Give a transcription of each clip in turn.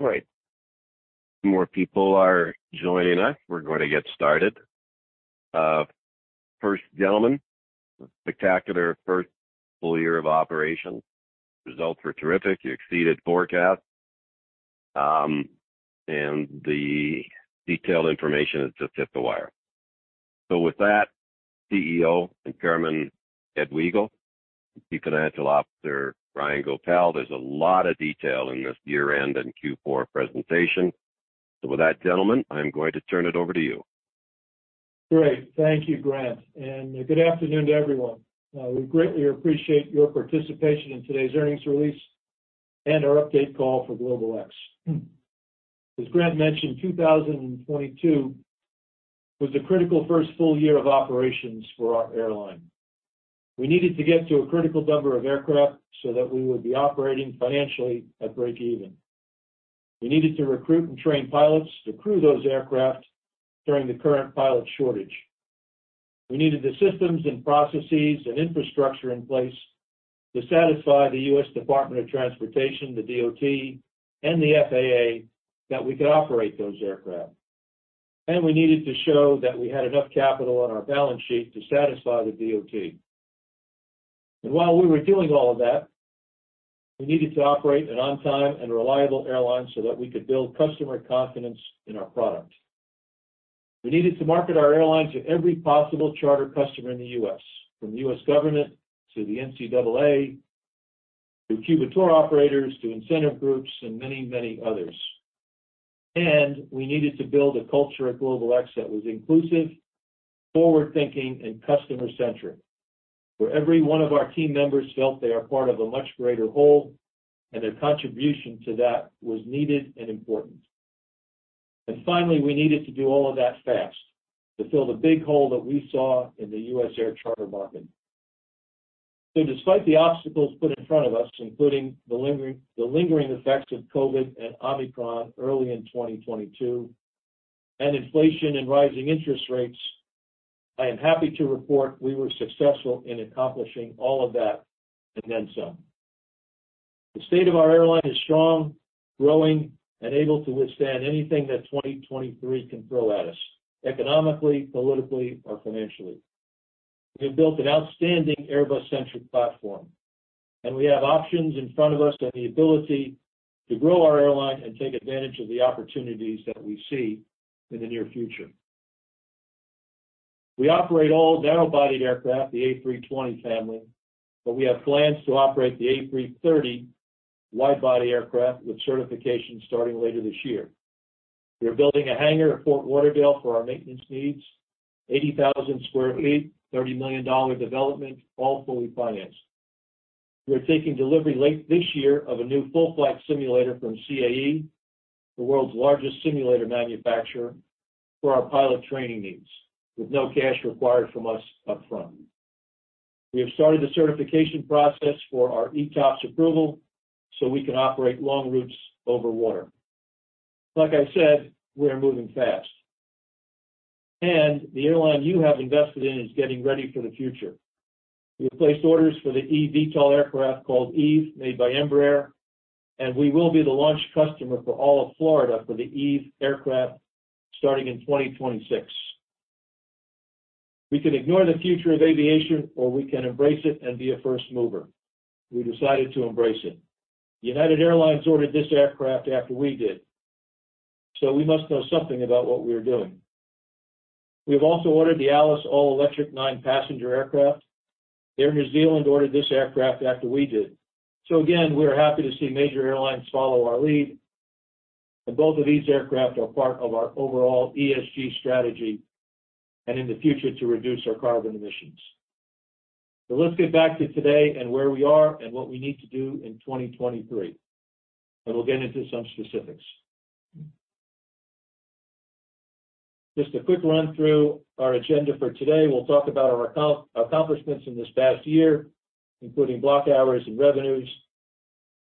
All right. More people are joining us. We're going to get started. First, gentlemen, spectacular first full year of operation. Results were terrific. You exceeded forecast. The detailed information has just hit the wire. With that, CEO and Chairman Ed Wegel, Chief Financial Officer Ryan Goepel, there's a lot of detail in this year-end and Q4 presentation. With that, gentlemen, I'm going to turn it over to you. Great. Thank you, Grant. Good afternoon to everyone. We greatly appreciate your participation in today's earnings release and our update call for GlobalX. As Grant mentioned, 2022 was the critical first full year of operations for our airline. We needed to get to a critical number of aircraft so that we would be operating financially at breakeven. We needed to recruit and train pilots to crew those aircraft during the current pilot shortage. We needed the systems and processes and infrastructure in place to satisfy the U.S. Department of Transportation, the DOT, and the FAA that we could operate those aircraft. We needed to show that we had enough capital on our balance sheet to satisfy the DOT. While we were doing all of that, we needed to operate an on-time and reliable airline so that we could build customer confidence in our product. We needed to market our airline to every possible charter customer in the U.S., from the U.S. government to the NCAA, to Cuba tour operators, to incentive groups, and many, many others. We needed to build a culture at GlobalX that was inclusive, forward-thinking, and customer-centric, where every one of our team members felt they are part of a much greater whole, and their contribution to that was needed and important. Finally, we needed to do all of that fast to fill the big hole that we saw in the U.S. air charter market. Despite the obstacles put in front of us, including the lingering effects of COVID and Omicron early in 2022, and inflation and rising interest rates, I am happy to report we were successful in accomplishing all of that and then some. The state of our airline is strong, growing, and able to withstand anything that 2023 can throw at us economically, politically, or financially. We have built an outstanding Airbus-centric platform, and we have options in front of us and the ability to grow our airline and take advantage of the opportunities that we see in the near future. We operate all narrow-bodied aircraft, the A320 family, but we have plans to operate the A330 wide-body aircraft with certification starting later this year. We are building a hangar at Fort Lauderdale for our maintenance needs, 80,000 sq ft, $30 million development, all fully financed. We are taking delivery late this year of a new full-flag simulator from CAE, the world's largest simulator manufacturer, for our pilot training needs with no cash required from us up front. We have started the certification process for our ETOPS approval, so we can operate long routes over water. Like I said, we are moving fast, and the airline you have invested in is getting ready for the future. We have placed orders for the eVTOL aircraft called Eve, made by Embraer, and we will be the launch customer for all of Florida for the Eve aircraft starting in 2026. We can ignore the future of aviation, or we can embrace it and be a first mover. We decided to embrace it. United Airlines ordered this aircraft after we did. We must know something about what we are doing. We have also ordered the Alice all-electric nine-passenger aircraft. Air New Zealand ordered this aircraft after we did. Again, we are happy to see major airlines follow our lead, and both of these aircraft are part of our overall ESG strategy and in the future to reduce our carbon emissions. Let's get back to today and where we are and what we need to do in 2023, and we'll get into some specifics. Just a quick run through our agenda for today. We'll talk about our accomplishments in this past year, including block hours and revenues.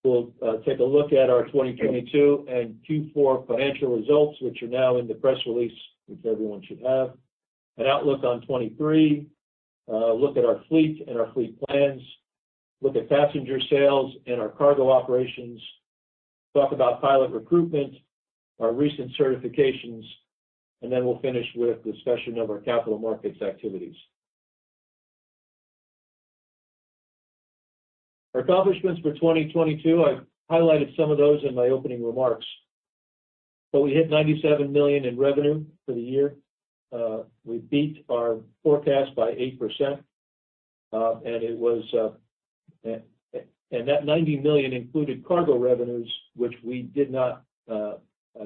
We'll take a look at our 2022 and Q4 financial results, which are now in the press release, which everyone should have. An outlook on 2023. Look at our fleet and our fleet plans. Look at passenger sales and our cargo operations. Talk about pilot recruitment, our recent certifications, and then we'll finish with discussion of our capital markets activities. Our accomplishments for 2022, I highlighted some of those in my opening remarks. We hit $97 million in revenue for the year. We beat our forecast by 8%, and that $90 million included cargo revenues, which we did not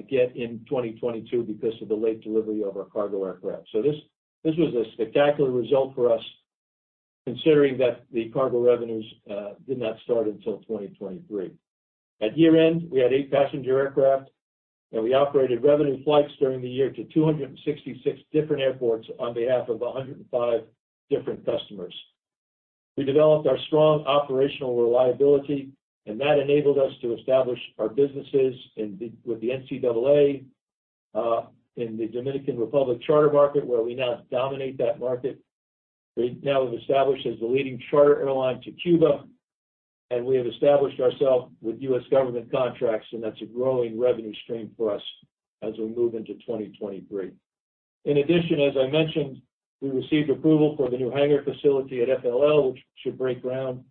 get in 2022 because of the late delivery of our cargo aircraft. This was a spectacular result for us, considering that the cargo revenues did not start until 2023. At year-end, we had eight passenger aircraft, and we operated revenue flights during the year to 266 different airports on behalf of 105 different customers. We developed our strong operational reliability, that enabled us to establish our businesses with the NCAA in the Dominican Republic charter market, where we now dominate that market. We now have established as the leading charter airline to Cuba, we have established ourselves with U.S. government contracts, that's a growing revenue stream for us as we move into 2023. In addition, as I mentioned, we received approval for the new hangar facility at FLL, which should break ground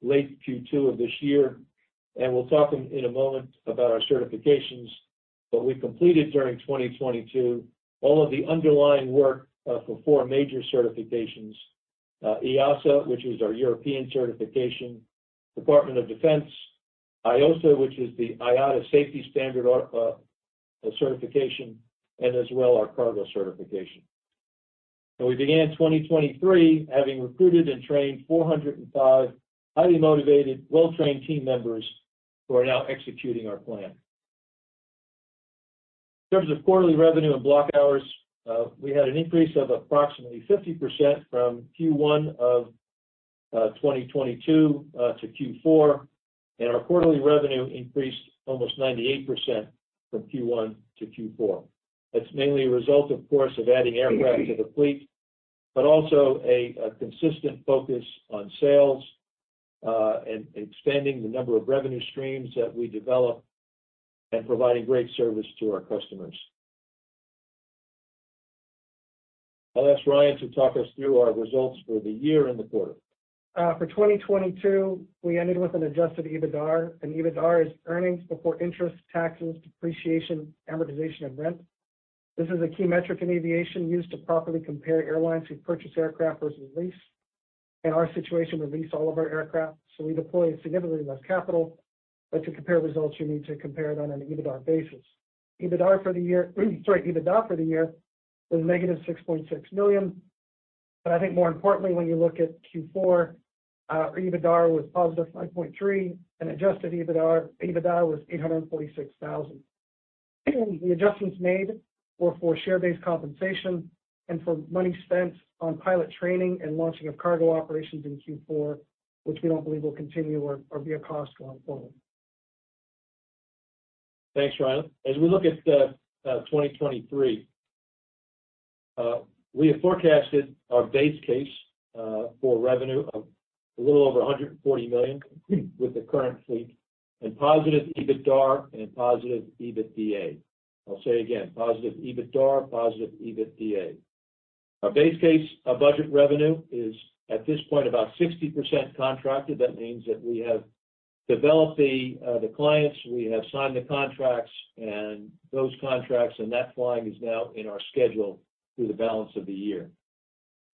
late Q2 of this year. We'll talk in a moment about our certifications. We completed during 2022 all of the underlying work for four major certifications. EASA, which is our European certification, Department of Defense, IOSA, which is the IATA Safety Standard or certification, as well our cargo certification. We began 2023 having recruited and trained 405 highly motivated, well-trained team members who are now executing our plan. In terms of quarterly revenue and block hours, we had an increase of approximately 50% from Q1 of 2022 to Q4, and our quarterly revenue increased almost 98% from Q1 to Q4. That's mainly a result, of course, of adding aircraft to the fleet, but also a consistent focus on sales and expanding the number of revenue streams that we develop and providing great service to our customers. I'll ask Ryan to talk us through our results for the year and the quarter. For 2022, we ended with an adjusted EBITDAR. EBITDAR is earnings before interest, taxes, depreciation, amortization, and rent. This is a key metric in aviation used to properly compare airlines who purchase aircraft versus lease. In our situation, we lease all of our aircraft. We deploy significantly less capital. To compare results, you need to compare it on an EBITDAR basis. EBITDA for the year was -$6.6 million. I think more importantly, when you look at Q4, our EBITDAR was +$9.3 million. Adjusted EBITDAR was $846,000. The adjustments made were for share-based compensation and for money spent on pilot training and launching of cargo operations in Q4, which we don't believe will continue or be a cost going forward. Thanks, Ryan. As we look at 2023, we have forecasted our base case for revenue of a little over $140 million with the current fleet and positive EBITDAR and positive EBITDA. I'll say again, positive EBITDAR, positive EBITDA. Our base case, our budget revenue is at this point about 60% contracted. That means that we have developed the clients, we have signed the contracts and those contracts and that flying is now in our schedule through the balance of the year.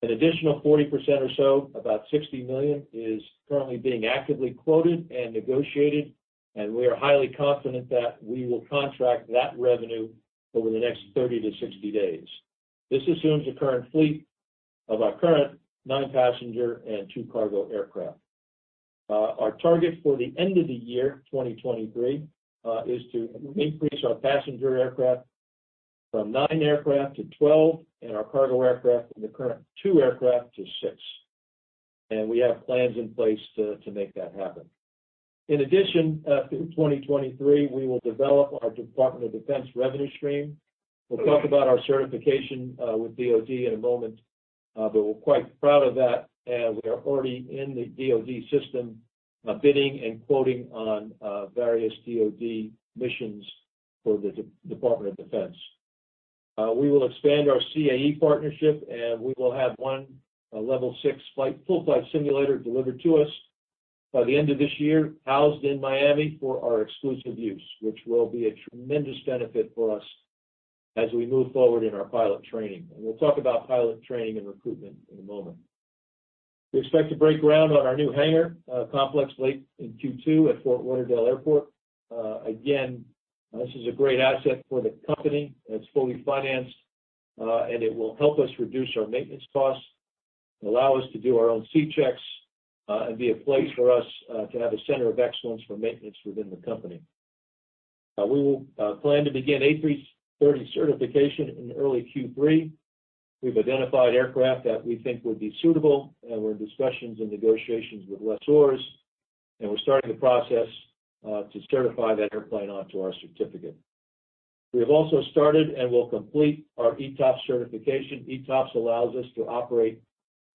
An additional 40% or so, about $60 million, is currently being actively quoted and negotiated, and we are highly confident that we will contract that revenue over the next 30-60 days. This assumes a current fleet of our current nine-passenger and two-cargo aircraft. Our target for the end of the year, 2023, is to increase our passenger aircraft from nine aircraft to 12 and our cargo aircraft from the current two aircraft to six. We have plans in place to make that happen. In addition, through 2023, we will develop our Department of Defense revenue stream. We'll talk about our certification with DoD in a moment, but we're quite proud of that and we are already in the DoD system, bidding and quoting on various DoD missions for the Department of Defense. We will expand our CAE partnership, and we will have one Level 6 full flight simulator delivered to us by the end of this year, housed in Miami for our exclusive use, which will be a tremendous benefit for us as we move forward in our pilot training. We'll talk about pilot training and recruitment in a moment. We expect to break ground on our new hangar complex late in Q2 at Fort Lauderdale Airport. Again, this is a great asset for the company. It's fully financed, and it will help us reduce our maintenance costs, allow us to do our own C checks, and be a place for us to have a center of excellence for maintenance within the company. We will plan to begin A330 certification in early Q3. We've identified aircraft that we think would be suitable, we're in discussions and negotiations with lessors, and we're starting the process to certify that airplane onto our certificate. We have also started and will complete our ETOPS certification. ETOPS allows us to operate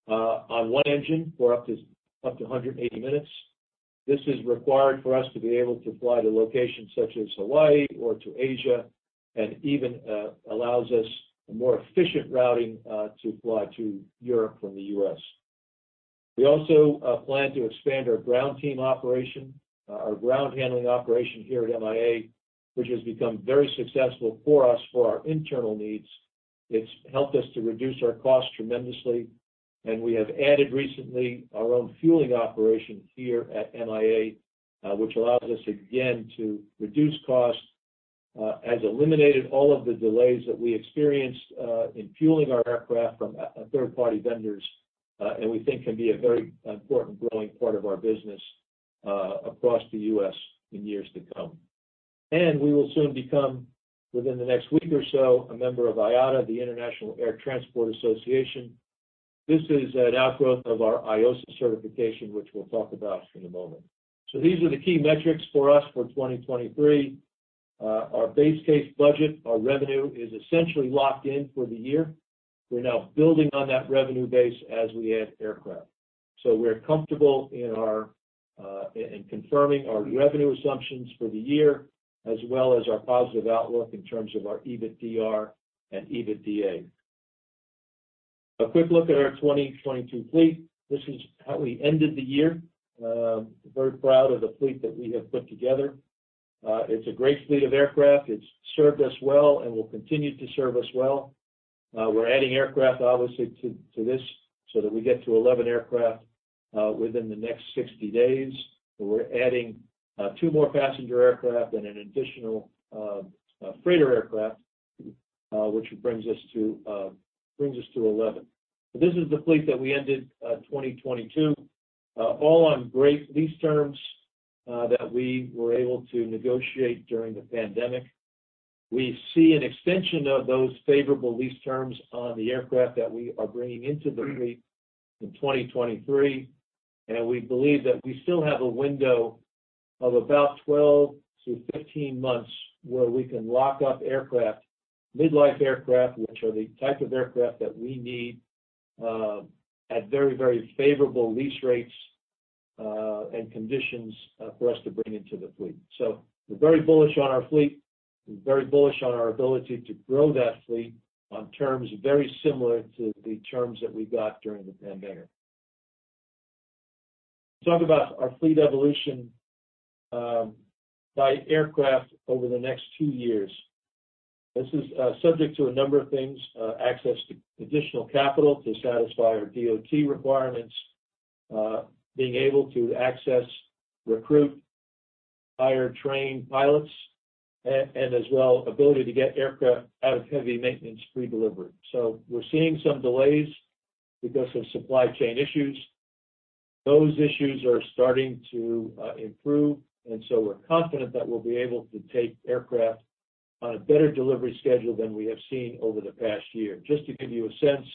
on one engine for up to 180 minutes. This is required for us to be able to fly to locations such as Hawaii or to Asia, even allows us a more efficient routing to fly to Europe from the U.S. We also plan to expand our ground team operation, our ground handling operation here at MIA, which has become very successful for us, for our internal needs. It's helped us to reduce our costs tremendously. We have added recently our own fueling operation here at MIA, which allows us again to reduce costs, has eliminated all of the delays that we experienced in fueling our aircraft from third-party vendors, and we think can be a very important growing part of our business across the U.S. in years to come. We will soon become, within the next week or so, a member of IATA, the International Air Transport Association. This is an outgrowth of our IOSA certification, which we'll talk about in a moment. These are the key metrics for us for 2023. Our base case budget, our revenue is essentially locked in for the year. We're now building on that revenue base as we add aircraft. We're comfortable in our confirming our revenue assumptions for the year as well as our positive outlook in terms of our EBITDA and EBITDA. A quick look at our 2022 fleet. This is how we ended the year. Very proud of the fleet that we have put together. It's a great fleet of aircraft. It's served us well, and will continue to serve us well. We're adding aircraft, obviously, to this so that we get to 11 aircraft within the next 60 days. We're adding two more passenger aircraft and an additional freighter aircraft, which brings us to 11. This is the fleet that we ended 2022, all on great lease terms that we were able to negotiate during the pandemic. We see an extension of those favorable lease terms on the aircraft that we are bringing into the fleet in 2023. We believe that we still have a window of about 12-15 months where we can lock up aircraft, mid-life aircraft, which are the type of aircraft that we need, at very, very favorable lease rates, and conditions, for us to bring into the fleet. We're very bullish on our fleet. We're very bullish on our ability to grow that fleet on terms very similar to the terms that we got during the pandemic. Talk about our fleet evolution, by aircraft over the next two years. This is subject to a number of things, access to additional capital to satisfy our DOT requirements, being able to access, recruit, hire, train pilots, and as well, ability to get aircraft out of heavy maintenance pre-delivery. We're seeing some delays because of supply chain issues. Those issues are starting to improve, we're confident that we'll be able to take aircraft on a better delivery schedule than we have seen over the past year. Just to give you a sense,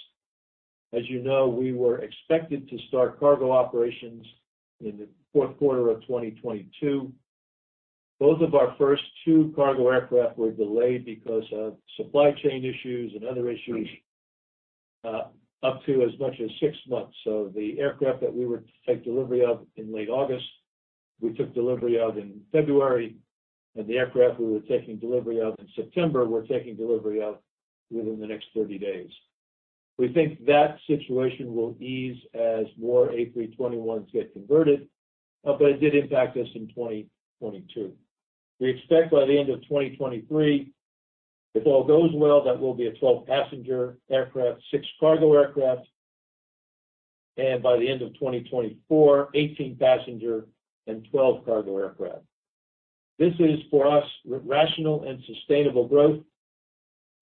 as you know, we were expected to start cargo operations in the fourth quarter of 2022. Both of our first two cargo aircraft were delayed because of supply chain issues and other issues, up to as much as six months. The aircraft that we were to take delivery of in late August, we took delivery of in February. The aircraft we were taking delivery of in September, we're taking delivery of within the next 30 days. We think that situation will ease as more A321s get converted, but it did impact us in 2022. We expect by the end of 2023, if all goes well, that will be a 12 passenger aircraft, 6 cargo aircraft. By the end of 2024, 18 passenger and 12 cargo aircraft. This is, for us, rational and sustainable growth,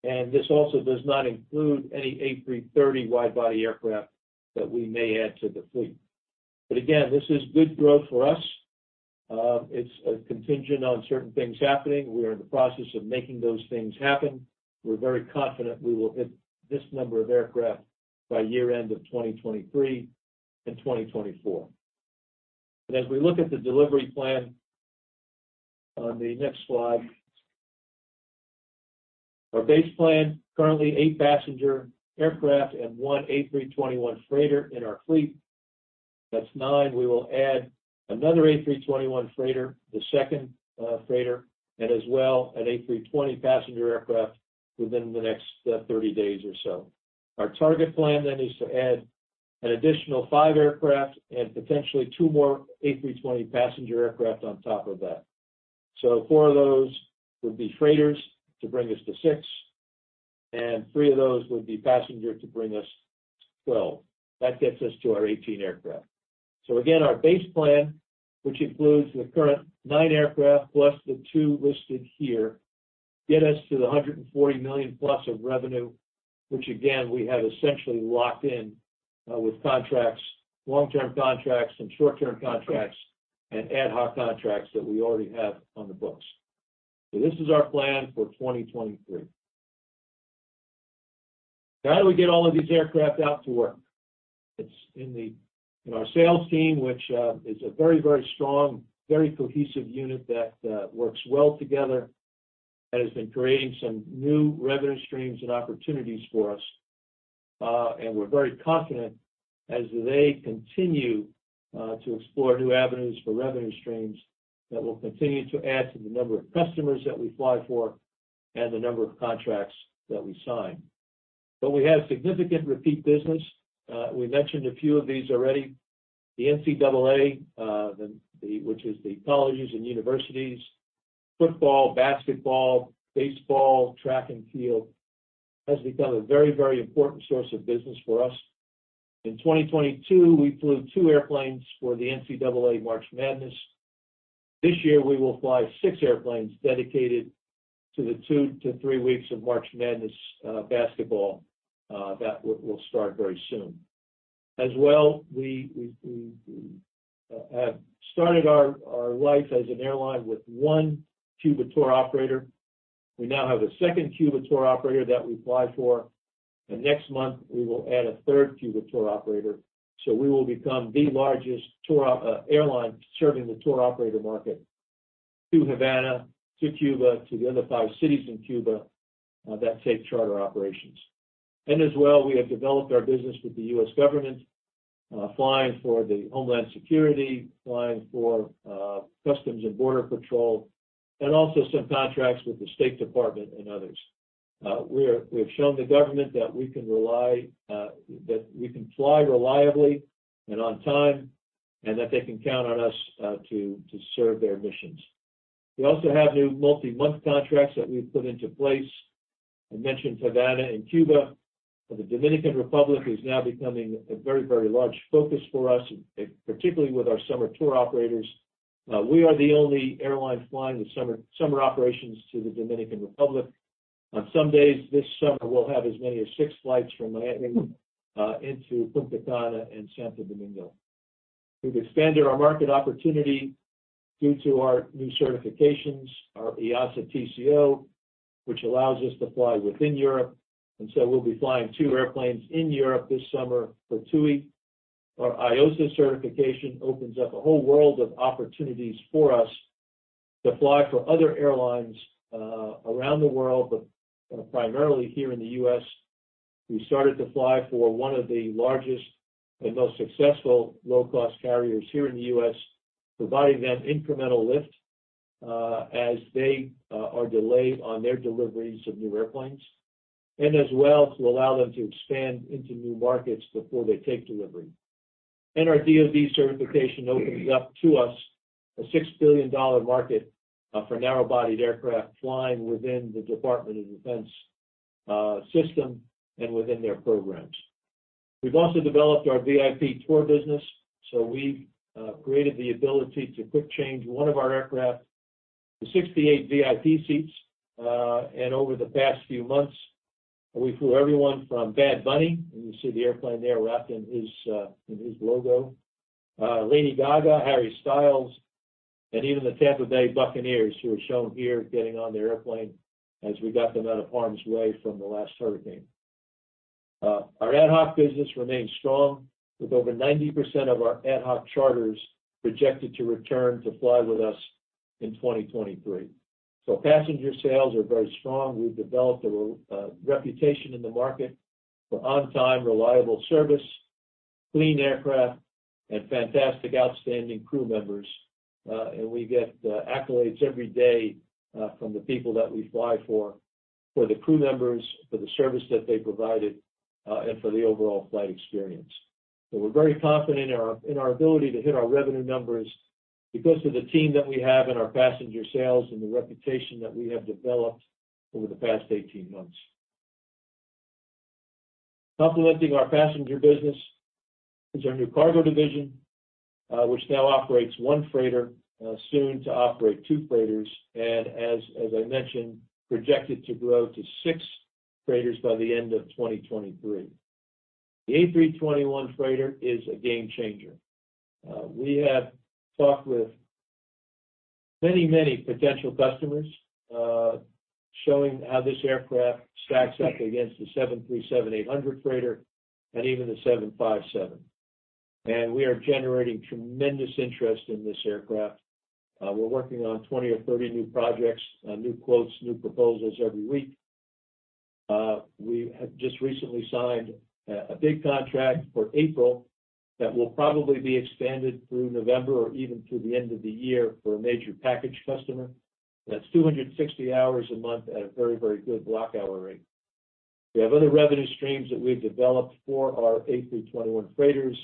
and this also does not include any A330 wide-body aircraft that we may add to the fleet. Again, this is good growth for us. It's contingent on certain things happening. We are in the process of making those things happen. We're very confident we will hit this number of aircraft by year end of 2023 and 2024. As we look at the delivery plan on the next slide, our base plan, currently eight passenger aircraft and one A321 freighter in our fleet. That's nine. We will add another A321 freighter, the second freighter, and as well an A320 passenger aircraft within the next 30 days or so. Our target plan then is to add an additional five aircraft and potentially two more A320 passenger aircraft on top of that. Four of those would be freighters to bring us to six, and three of those would be passenger to bring us to 12. That gets us to our 18 aircraft. Again, our base plan, which includes the current nine aircraft plus the two listed here, get us to the $140 million-plus of revenue, which again, we have essentially locked in with contracts, long-term contracts and short-term contracts and ad hoc contracts that we already have on the books. This is our plan for 2023. How do we get all of these aircraft out to work? It's in our sales team, which is a very, very strong, very cohesive unit that works well together, that has been creating some new revenue streams and opportunities for us. And we're very confident as they continue to explore new avenues for revenue streams that will continue to add to the number of customers that we fly for and the number of contracts that we sign. We have significant repeat business. We mentioned a few of these already. The NCAA, which is the colleges and universities, football, basketball, baseball, track and field, has become a very, very important source of business for us. In 2022, we flew two airplanes for the NCAA March Madness. This year, we will fly six airplanes dedicated to the two to three weeks of March Madness basketball that will start very soon. As well, we have started our life as an airline with one Cuba tour operator. We now have a 2nd Cuba tour operator that we fly for, and next month we will add a 3rd Cuba tour operator. We will become the largest airline serving the tour operator market to Havana, to Cuba, to the other five cities in Cuba that take charter operations. As well, we have developed our business with the U.S. government, flying for the Homeland Security, flying for Customs and Border Protection, and also some contracts with the State Department and others. We've shown the government that we can rely, that we can fly reliably and on time, and that they can count on us to serve their missions. We also have new multi-month contracts that we've put into place. I mentioned Havana and Cuba, but the Dominican Republic is now becoming a very, very large focus for us, particularly with our summer tour operators. We are the only airline flying the summer operations to the Dominican Republic. On some days this summer, we'll have as many as six flights from Miami, into Punta Cana and Santo Domingo. We've expanded our market opportunity due to our new certifications, our EASA TCO, which allows us to fly within Europe. So we'll be flying two airplanes in Europe this summer for TUI. Our IOSA certification opens up a whole world of opportunities for us to fly for other airlines around the world, but kind of primarily here in the U.S.. We started to fly for one of the largest and most successful low-cost carriers here in the U.S., providing them incremental lift as they are delayed on their deliveries of new airplanes, and as well to allow them to expand into new markets before they take delivery. Our DoD certification opens up to us a $6 billion market for narrow-bodied aircraft flying within the Department of Defense system and within their programs. We've also developed our VIP tour business. We've created the ability to quick change one of our aircraft to 68 VIP seats. Over the past few months, we flew everyone from Bad Bunny, and you see the airplane there wrapped in his in his logo, Lady Gaga, Harry Styles, and even the Tampa Bay Buccaneers, who are shown here getting on the airplane as we got them out of harm's way from the last hurricane. Our ad hoc business remains strong with over 90% of our ad hoc charters projected to return to fly with us in 2023. Passenger sales are very strong. We've developed a reputation in the market for on-time, reliable service, clean aircraft, and fantastic, outstanding crew members. We get accolades every day from the people that we fly for the crew members, for the service that they provided, and for the overall flight experience. We're very confident in our ability to hit our revenue numbers because of the team that we have and our passenger sales and the reputation that we have developed over the past 18 months. Complementing our passenger business is our new cargo division, which now operates one freighter, soon to operate two freighters, and as I mentioned, projected to grow to six freighters by the end of 2023. The A321 freighter is a game changer. We have talked with many potential customers, showing how this aircraft stacks up against the 737-800 freighter and even the 757. We are generating tremendous interest in this aircraft. We're working on 20 or 30 new projects, new quotes, new proposals every week. We have just recently signed a big contract for April that will probably be expanded through November or even through the end of the year for a major package customer. That's 260 hours a month at a very, very good block hour rate. We have other revenue streams that we've developed for our A321 freighters.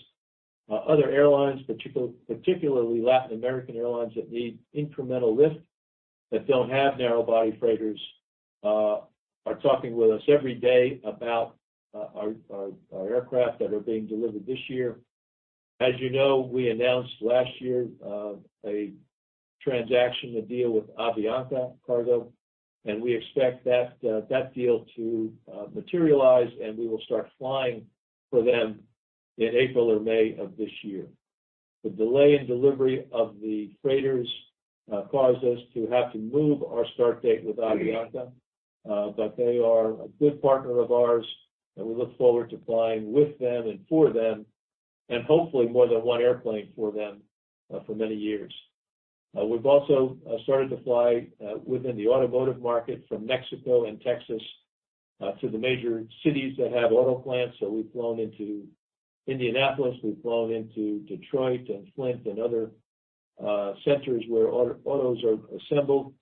Other airlines, particularly Latin American airlines that need incremental lift that don't have narrow body freighters, are talking with us every day about our aircraft that are being delivered this year. As you know, we announced last year, a transaction, a deal with Avianca Cargo. We expect that deal to materialize. We will start flying for them in April or May of this year. The delay in delivery of the freighters caused us to have to move our start date with Avianca. They are a good partner of ours. We look forward to flying with them and for them, and hopefully more than one airplane for them for many years. We've also started to fly within the automotive market from Mexico and Texas to the major cities that have auto plants. We've flown into Indianapolis, we've flown into Detroit and Flint and other centers where autos are assembled.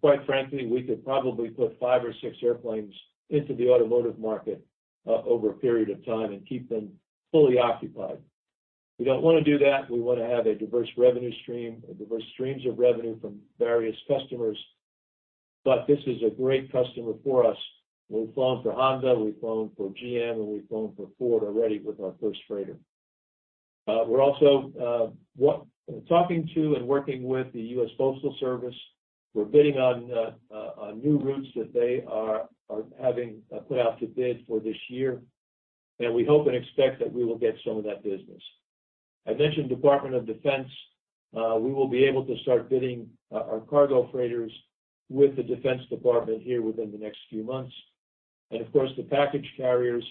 Quite frankly, we could probably put five or six airplanes into the automotive market over a period of time and keep them fully occupied. We don't wanna do that. We wanna have a diverse revenue stream, diverse streams of revenue from various customers. This is a great customer for us. We've flown for Honda, we've flown for GM, and we've flown for Ford already with our first freighter. We're also talking to and working with the U.S. Postal Service. We're bidding on new routes that they are having put out to bid for this year. We hope and expect that we will get some of that business. I mentioned Department of Defense. We will be able to start bidding our cargo freighters with the Defense Department here within the next few months. Of course, the package carriers,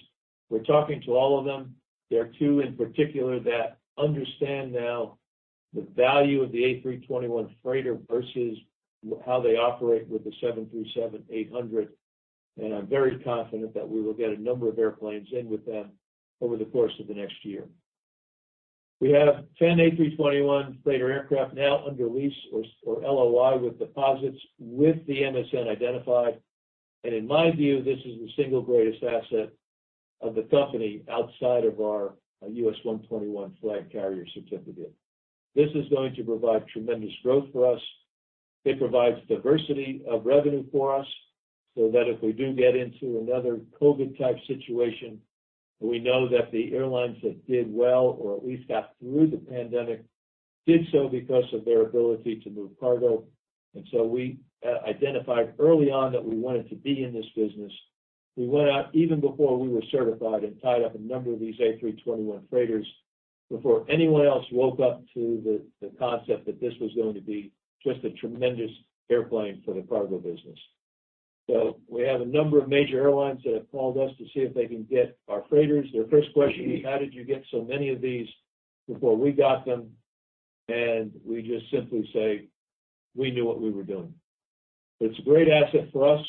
we're talking to all of them. There are two in particular that understand now the value of the A321 freighter versus how they operate with the 737-800. I'm very confident that we will get a number of airplanes in with them over the course of the next year. We have 10 A321 freighter aircraft now under lease or LOI with deposits with the MSN identified. In my view, this is the single greatest asset of the company outside of our U.S. 121 flag carrier certificate. This is going to provide tremendous growth for us. It provides diversity of revenue for us, so that if we do get into another COVID-type situation, we know that the airlines that did well or at least got through the pandemic did so because of their ability to move cargo. We identified early on that we wanted to be in this business. We went out even before we were certified and tied up a number of these A321 freighters before anyone else woke up to the concept that this was going to be just a tremendous airplane for the cargo business. We have a number of major airlines that have called us to see if they can get our freighters. Their first question is, "How did you get so many of these before we got them?" We just simply say, "We knew what we were doing." It's a great asset for us,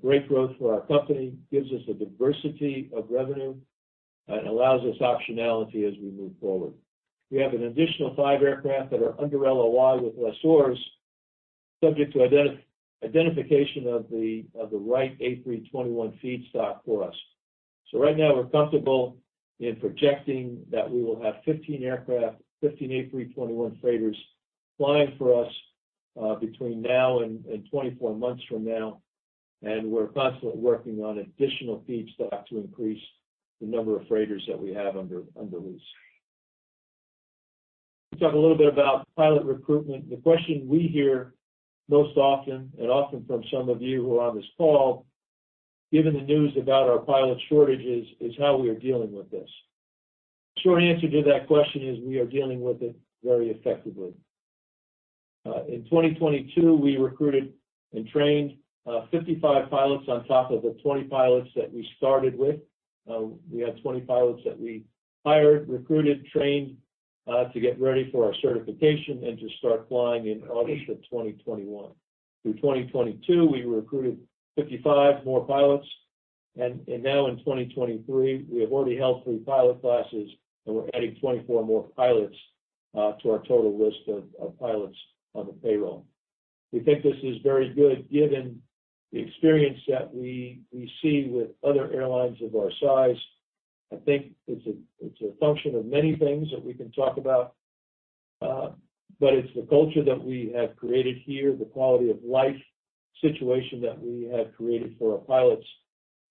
great growth for our company, gives us a diversity of revenue, and allows us optionality as we move forward. We have an additional five aircraft that are under LOI with lessors, subject to identification of the right A321 feedstock for us. Right now, we're comfortable in projecting that we will have 15 aircraft, 15 A321 freighters flying for us between now and 24 months from now, and we're constantly working on additional feedstock to increase the number of freighters that we have under lease. Let's talk a little bit about pilot recruitment. The question we hear most often, and often from some of you who are on this call, given the news about our pilot shortages, is how we are dealing with this. Short answer to that question is we are dealing with it very effectively. In 2022, we recruited and trained 55 pilots on top of the 20 pilots that we started with. We had 20 pilots that we hired, recruited, trained, to get ready for our certification and to start flying in August of 2021. Through 2022, we recruited 55 more pilots. Now in 2023, we have already held three pilot classes, and we're adding 24 more pilots to our total list of pilots on the payroll. We think this is very good given the experience that we see with other airlines of our size. I think it's a function of many things that we can talk about, but it's the culture that we have created here, the quality of life situation that we have created for our pilots,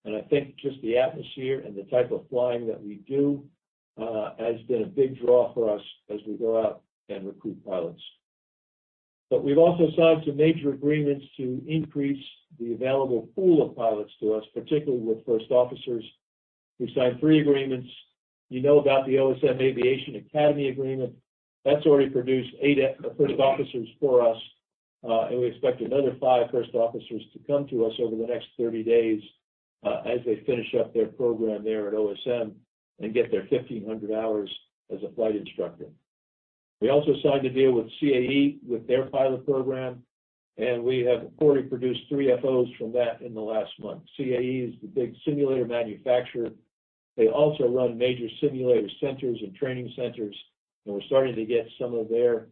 and I think just the atmosphere and the type of flying that we do has been a big draw for us as we go out and recruit pilots. We've also signed some major agreements to increase the available pool of pilots to us, particularly with first officers. We've signed three agreements. You know about the OSM Aviation Academy agreement. That's already produced eight first officers for us, and we expect another five first officers to come to us over the next 30 days, as they finish up their program there at OSM and get their 1,500 hours as a flight instructor. We also signed a deal with CAE, with their pilot program, and we have already produced three FOs from that in the last month. CAE is the big simulator manufacturer. They also run major simulator centers and training centers, and we're starting to get some of their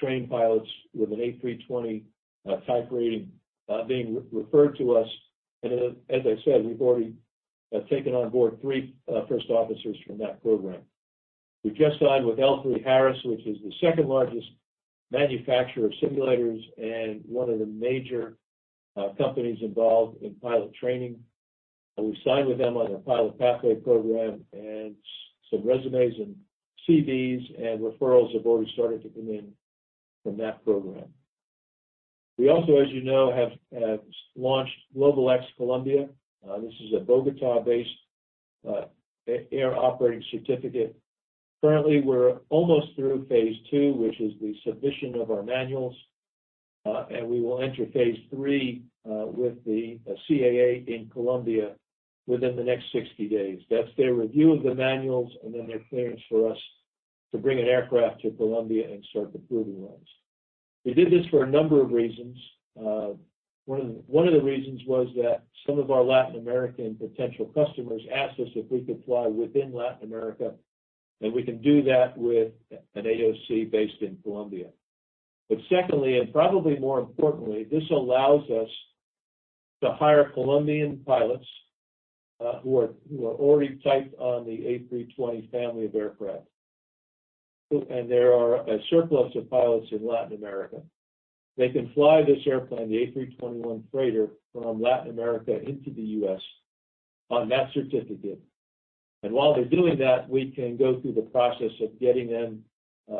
trained pilots with an A320 type rating being re-referred to us. As I said, we've already taken on board three first officers from that program. We've just signed with L3Harris, which is the second-largest manufacturer of simulators and one of the major companies involved in pilot training. We've signed with them on their Pilot Pathway Program, and some resumes and CVs and referrals have already started to come in from that program. We also, as you know, have launched GlobalX-Colombia. This is a Bogotá-based air operating certificate. Currently, we're almost through Phase 2, which is the submission of our manuals, and we will enter Phase 3 with the CAA in Colombia within the next 60 days. That's their review of the manuals and then their clearance for us to bring an aircraft to Colombia and start the proving runs. We did this for a number of reasons. One of the reasons was that some of our Latin American potential customers asked us if we could fly within Latin America. We can do that with an AOC based in Colombia. Secondly, and probably more importantly, this allows us to hire Colombian pilots who are already typed on the A320 family of aircraft. There are a surplus of pilots in Latin America. They can fly this airplane, the A321 freighter, from Latin America into the U.S. on that certificate. While they're doing that, we can go through the process of getting them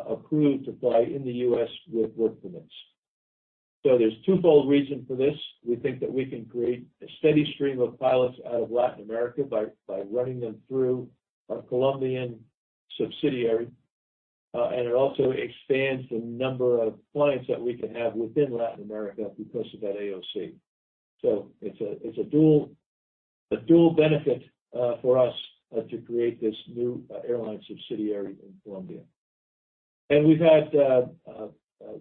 approved to fly in the U.S. with work permits. There's twofold reason for this. We think that we can create a steady stream of pilots out of Latin America by running them through our Colombian subsidiary. It also expands the number of clients that we can have within Latin America because of that AOC. It's a dual, a dual benefit for us to create this new airline subsidiary in Colombia. We've had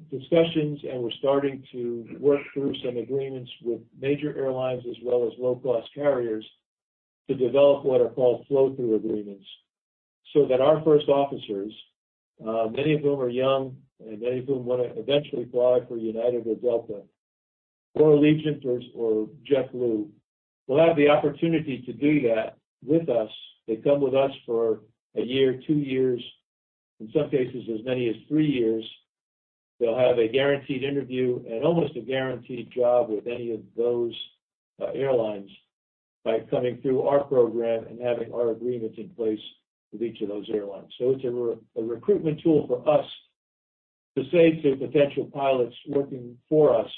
discussions, and we're starting to work through some agreements with major airlines as well as low-cost carriers to develop what are called flow-through agreements so that our first officers, many of whom are young and many of whom wanna eventually fly for United or Delta or Allegiant or JetBlue, will have the opportunity to do that with us. They come with us for one year, two years, in some cases, as many as three years. They'll have a guaranteed interview and almost a guaranteed job with any of those airlines by coming through our program and having our agreements in place with each of those airlines. It's a recruitment tool for us to say to potential pilots working for us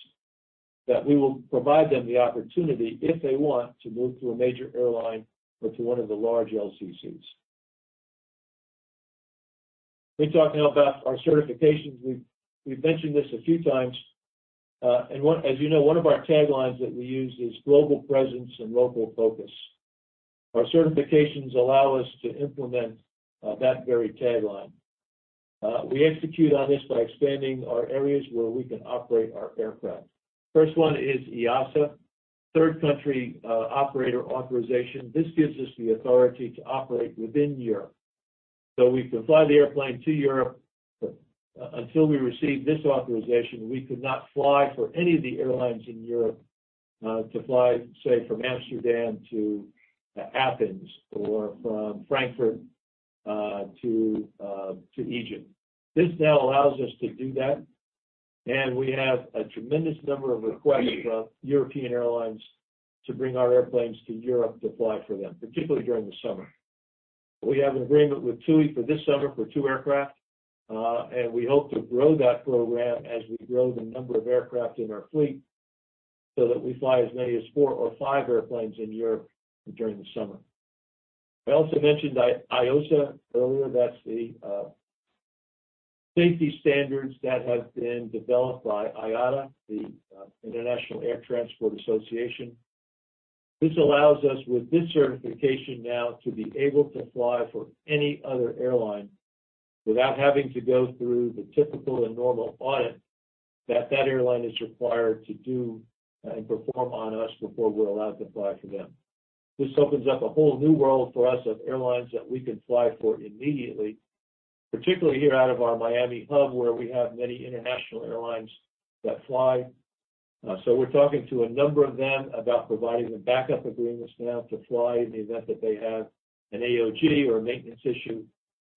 that we will provide them the opportunity, if they want, to move to a major airline or to one of the large LCCs. Let me talk now about our certifications. We've mentioned this a few times, as you know, one of our taglines that we use is Global Presence and Local Focus. Our certifications allow us to implement that very tagline. We execute on this by expanding our areas where we can operate our aircraft. First one is EASA Third Country Operator Authorization. This gives us the authority to operate within Europe. We can fly the airplane to Europe, but until we receive this authorization, we could not fly for any of the airlines in Europe, to fly, say, from Amsterdam to Athens or from Frankfurt to Egypt. This now allows us to do that, and we have a tremendous number of requests from European airlines to bring our airplanes to Europe to fly for them, particularly during the summer. We have an agreement with TUI for this summer for two aircraft, and we hope to grow that program as we grow the number of aircraft in our fleet so that we fly as many as four or five airplanes in Europe during the summer. I also mentioned IOSA earlier. That's the safety standards that have been developed by IATA, the International Air Transport Association. This allows us, with this certification now, to be able to fly for any other airline without having to go through the typical and normal audit that airline is required to do and perform on us before we're allowed to fly for them. This opens up a whole new world for us of airlines that we can fly for immediately, particularly here out of our Miami hub, where we have many international airlines that fly. We're talking to a number of them about providing them backup agreements now to fly in the event that they have an AOG or a maintenance issue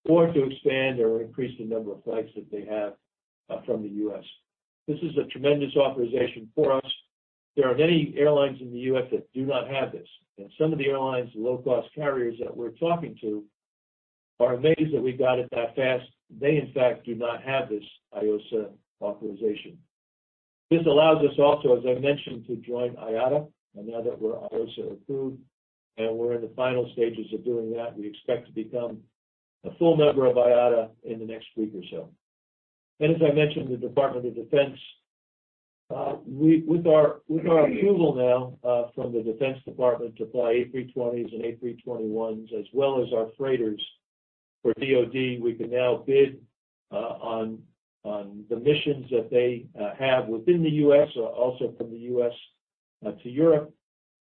or to expand or increase the number of flights that they have from the U.S.. This is a tremendous authorization for us. There are many airlines in the U.S. that do not have this, and some of the airlines, low-cost carriers that we're talking to are amazed that we got it that fast. They, in fact, do not have this IOSA authorization. This allows us also, as I mentioned, to join IATA. Now that we're IOSA approved, and we're in the final stages of doing that, we expect to become a full member of IATA in the next week or so. As I mentioned, the Department of Defense, with our approval now, from the Defense Department to fly A320s and A321s as well as our freighters for DoD, we can now bid on the missions that they have within the U.S. or also from the U.S. to Europe.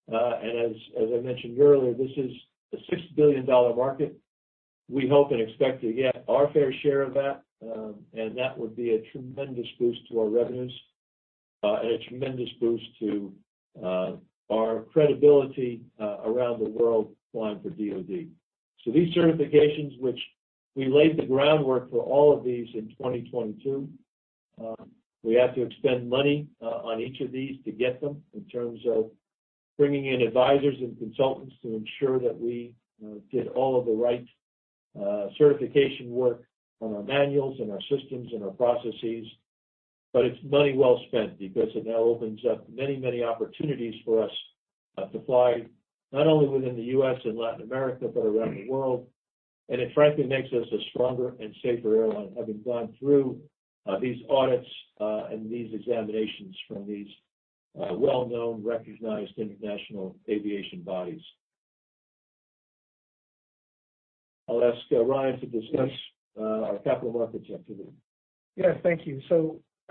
As I mentioned earlier, this is a $6 billion market. We hope and expect to get our fair share of that, and that would be a tremendous boost to our revenues, and a tremendous boost to our credibility around the world flying for DoD. These certifications, which we laid the groundwork for all of these in 2022, we had to expend money on each of these to get them in terms of bringing in advisors and consultants to ensure that we did all of the right certification work on our manuals and our systems and our processes. It's money well spent because it now opens up many, many opportunities for us to fly not only within the U.S. and Latin America, but around the world. It frankly makes us a stronger and safer airline, having gone through, these audits, and these examinations from these, well-known, recognized international aviation bodies. I'll ask Ryan to discuss, our capital markets activity. Thank you.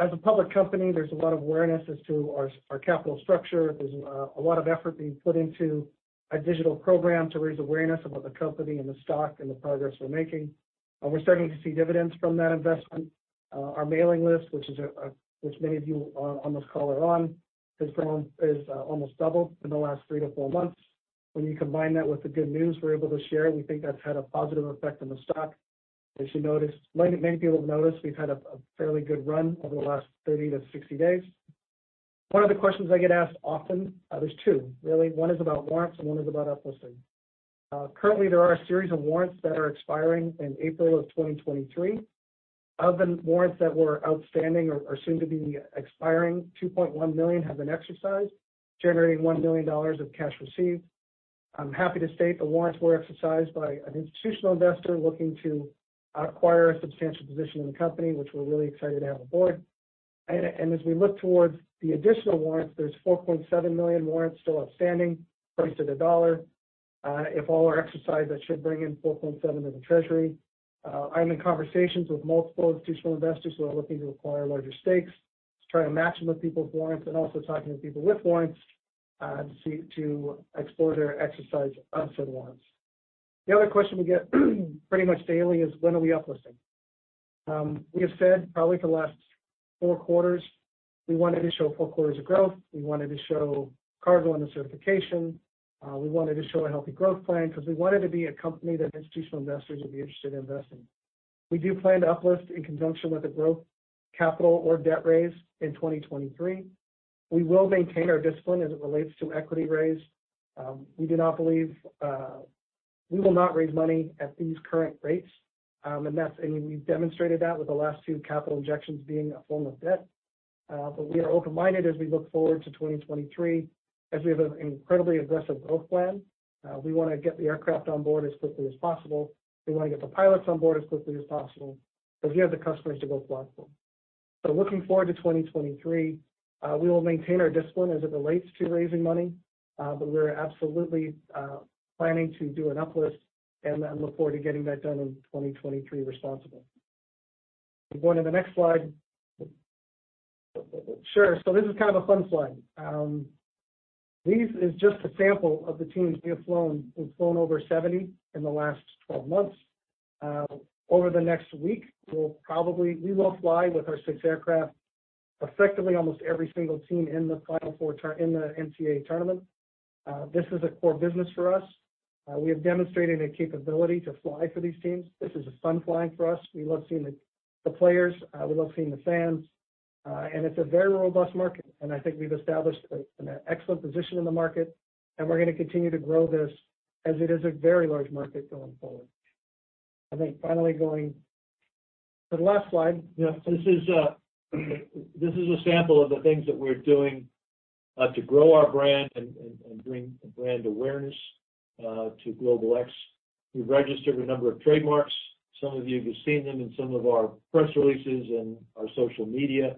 As a public company, there's a lot of awareness as to our capital structure. There's a lot of effort being put into our digital program to raise awareness about the company and the stock and the progress we're making. We're starting to see dividends from that investment. Our mailing list, which is which many of you on this call are on, is almost doubled in the last three to four months. When you combine that with the good news we're able to share, we think that's had a positive effect on the stock. As many people have noticed we've had a fairly good run over the last 30 to 60 days. One of the questions I get asked often, there's two really. One is about warrants, and one is about up listing. Currently there are a series of warrants that are expiring in April of 2023. Of the warrants that were outstanding or soon to be expiring, 2.1 million have been exercised, generating $1 million of cash received. I'm happy to state the warrants were exercised by an institutional investor looking to acquire a substantial position in the company, which we're really excited to have aboard. As we look towards the additional warrants, there's 4.7 million warrants still outstanding priced at $1. If all are exercised, that should bring in $4.7 million to the treasury. I'm in conversations with multiple institutional investors who are looking to acquire larger stakes, to try to match them with people's warrants and also talking to people with warrants, to explore their exercise of said warrants. The other question we get pretty much daily is when are we uplisting? We have said probably for the last four quarters, we wanted to show four quarters of growth. We wanted to show cargo under certification. We wanted to show a healthy growth plan because we wanted to be a company that institutional investors would be interested in investing in. We do plan to uplist in conjunction with a growth capital or debt raise in 2023. We will maintain our discipline as it relates to equity raise. We do not believe. We will not raise money at these current rates. We've demonstrated that with the last two capital injections being a form of debt. We are open-minded as we look forward to 2023. We have an incredibly aggressive growth plan. We wanna get the aircraft on board as quickly as possible. We wanna get the pilots on board as quickly as possible because we have the customers to go fly for them. Looking forward to 2023, we will maintain our discipline as it relates to raising money. We're absolutely planning to do an uplist and look forward to getting that done in 2023 responsibly. We go to the next slide. Sure. This is kind of a fun slide. This is just a sample of the teams we have flown. We've flown over 70 in the last 12 months. Over the next week, we will fly with our six aircraft effectively almost every single team in the NCAA tournament. This is a core business for us. We have demonstrated a capability to fly for these teams. This is a fun flying for us. We love seeing the players. We love seeing the fans. And it's a very robust market, and I think we've established an excellent position in the market, and we're gonna continue to grow this as it is a very large market going forward. I think finally going to the last slide. This is a sample of the things that we're doing to grow our brand and bring brand awareness to GlobalX. We've registered a number of trademarks. Some of you have seen them in some of our press releases and our social media.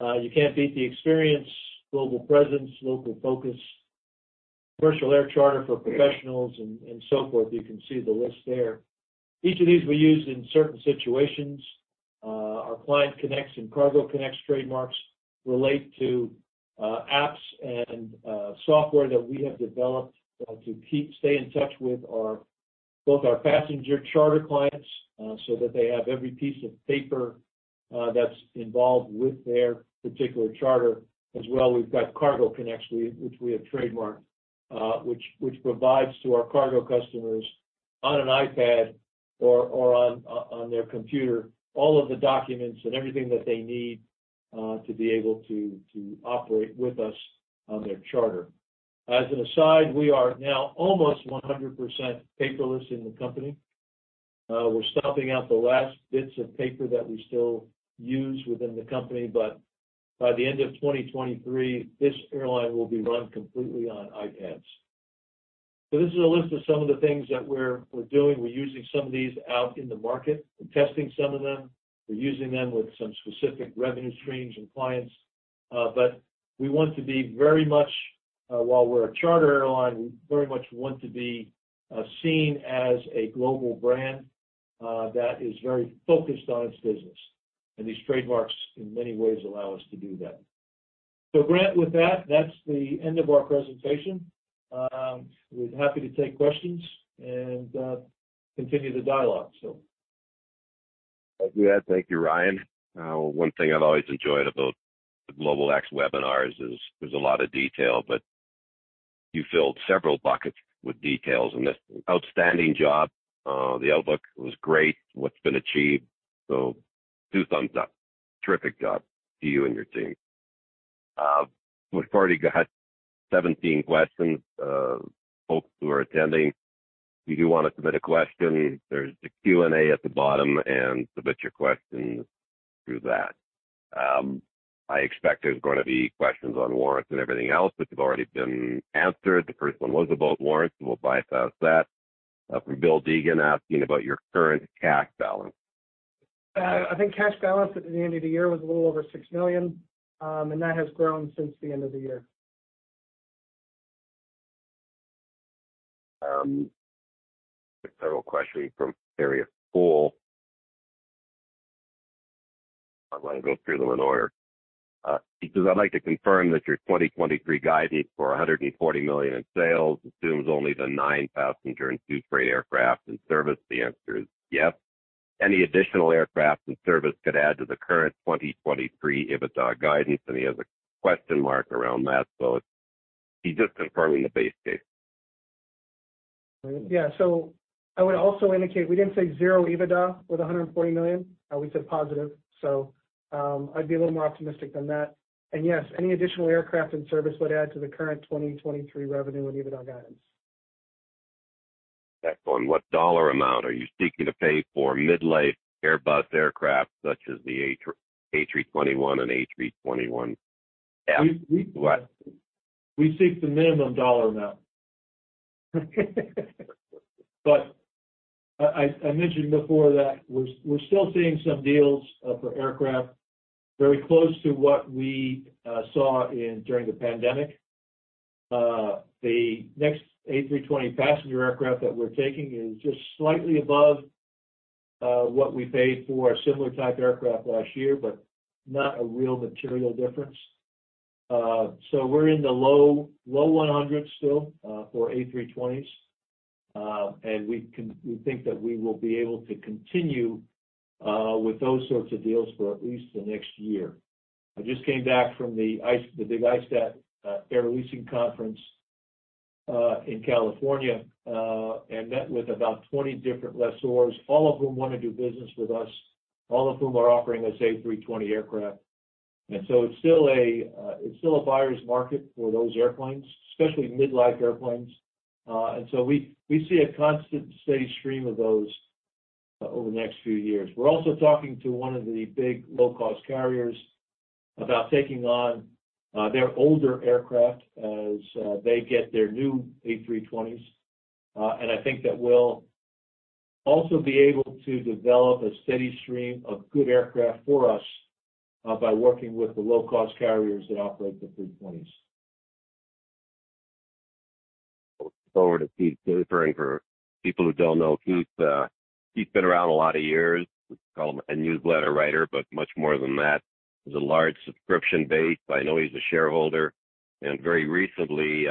You can't beat the experience, global presence, local focus, commercial air charter for professionals and so forth. You can see the list there. Each of these we use in certain situations. Our Client Connects and Cargo Connects trademarks relate to apps and software that we have developed to stay in touch with both our passenger charter clients so that they have every piece of paper that's involved with their particular charter. We've got Cargo Connects which we have trademarked, which provides to our cargo customers on an iPad or on their computer, all of the documents and everything that they need to be able to operate with us on their charter. As an aside, we are now almost 100% paperless in the company. We're stomping out the last bits of paper that we still use within the company, but by the end of 2023, this airline will be run completely on iPads. This is a list of some of the things that we're doing. We're using some of these out in the market and testing some of them. We're using them with some specific revenue streams and clients. We want to be very much, while we're a charter airline, we very much want to be seen as a global brand that is very focused on its business. These trademarks in many ways allow us to do that. Grant, with that's the end of our presentation. We're happy to take questions and continue the dialogue. Thank you, Ed. Thank you, Ryan. One thing I've always enjoyed about GlobalX webinars is there's a lot of detail, but you filled several buckets with details in this. Outstanding job. The outlook was great, what's been achieved. Two thumbs up. Terrific job to you and your team. We've already got 17 questions. Folks who are attending, if you do wanna submit a question, there's the Q&A at the bottom, submit your questions through that. I expect there's gonna be questions on warrants and everything else that have already been answered. The first one was about warrants. We'll bypass that. From Bill Deegan asking about your current cash balance. I think cash balance at the end of the year was a little over $6 million, and that has grown since the end of the year. Several questions from Terry Full. I'm gonna go through them in order. He says, "I'd like to confirm that your 2023 guidance for $140 million in sales assumes only the nine-passenger and two freight aircraft in service." The answer is yes. Any additional aircraft in service could add to the current 2023 EBITDA guidance, and he has a question mark around that. He's just confirming the base case. Yeah. I would also indicate we didn't say zero EBITDA with $140 million. We said positive. I'd be a little more optimistic than that. Yes, any additional aircraft in service would add to the current 2023 revenue and EBITDA guidance. Back on what dollar amount are you seeking to pay for mid-life Airbus aircraft such as the A321 and A321F? We- What? We seek the minimum dollar amount. I mentioned before that we're still seeing some deals for aircraft very close to what we saw during the pandemic. The next A320 passenger aircraft that we're taking is just slightly above what we paid for a similar type aircraft last year, but not a real material difference. We're in the low, low $100 still for A320s. We think that we will be able to continue with those sorts of deals for at least the next year. I just came back from the big ISTAT air leasing conference in California and met with about 20 different lessors, all of whom wanna do business with us, all of whom are offering us A320 aircraft. It's still a buyer's market for those airplanes, especially mid-life airplanes. We see a constant steady stream of those over the next few years. We're also talking to one of the big low-cost carriers about taking on their older aircraft as they get their new A320s. I think that we'll also be able to develop a steady stream of good aircraft for us by working with the low-cost carriers that operate the A320s. Looking forward to Keith delivering. For people who don't know Keith's been around a lot of years. We call him a newsletter writer, much more than that. He has a large subscription base, I know he's a shareholder, and very recently,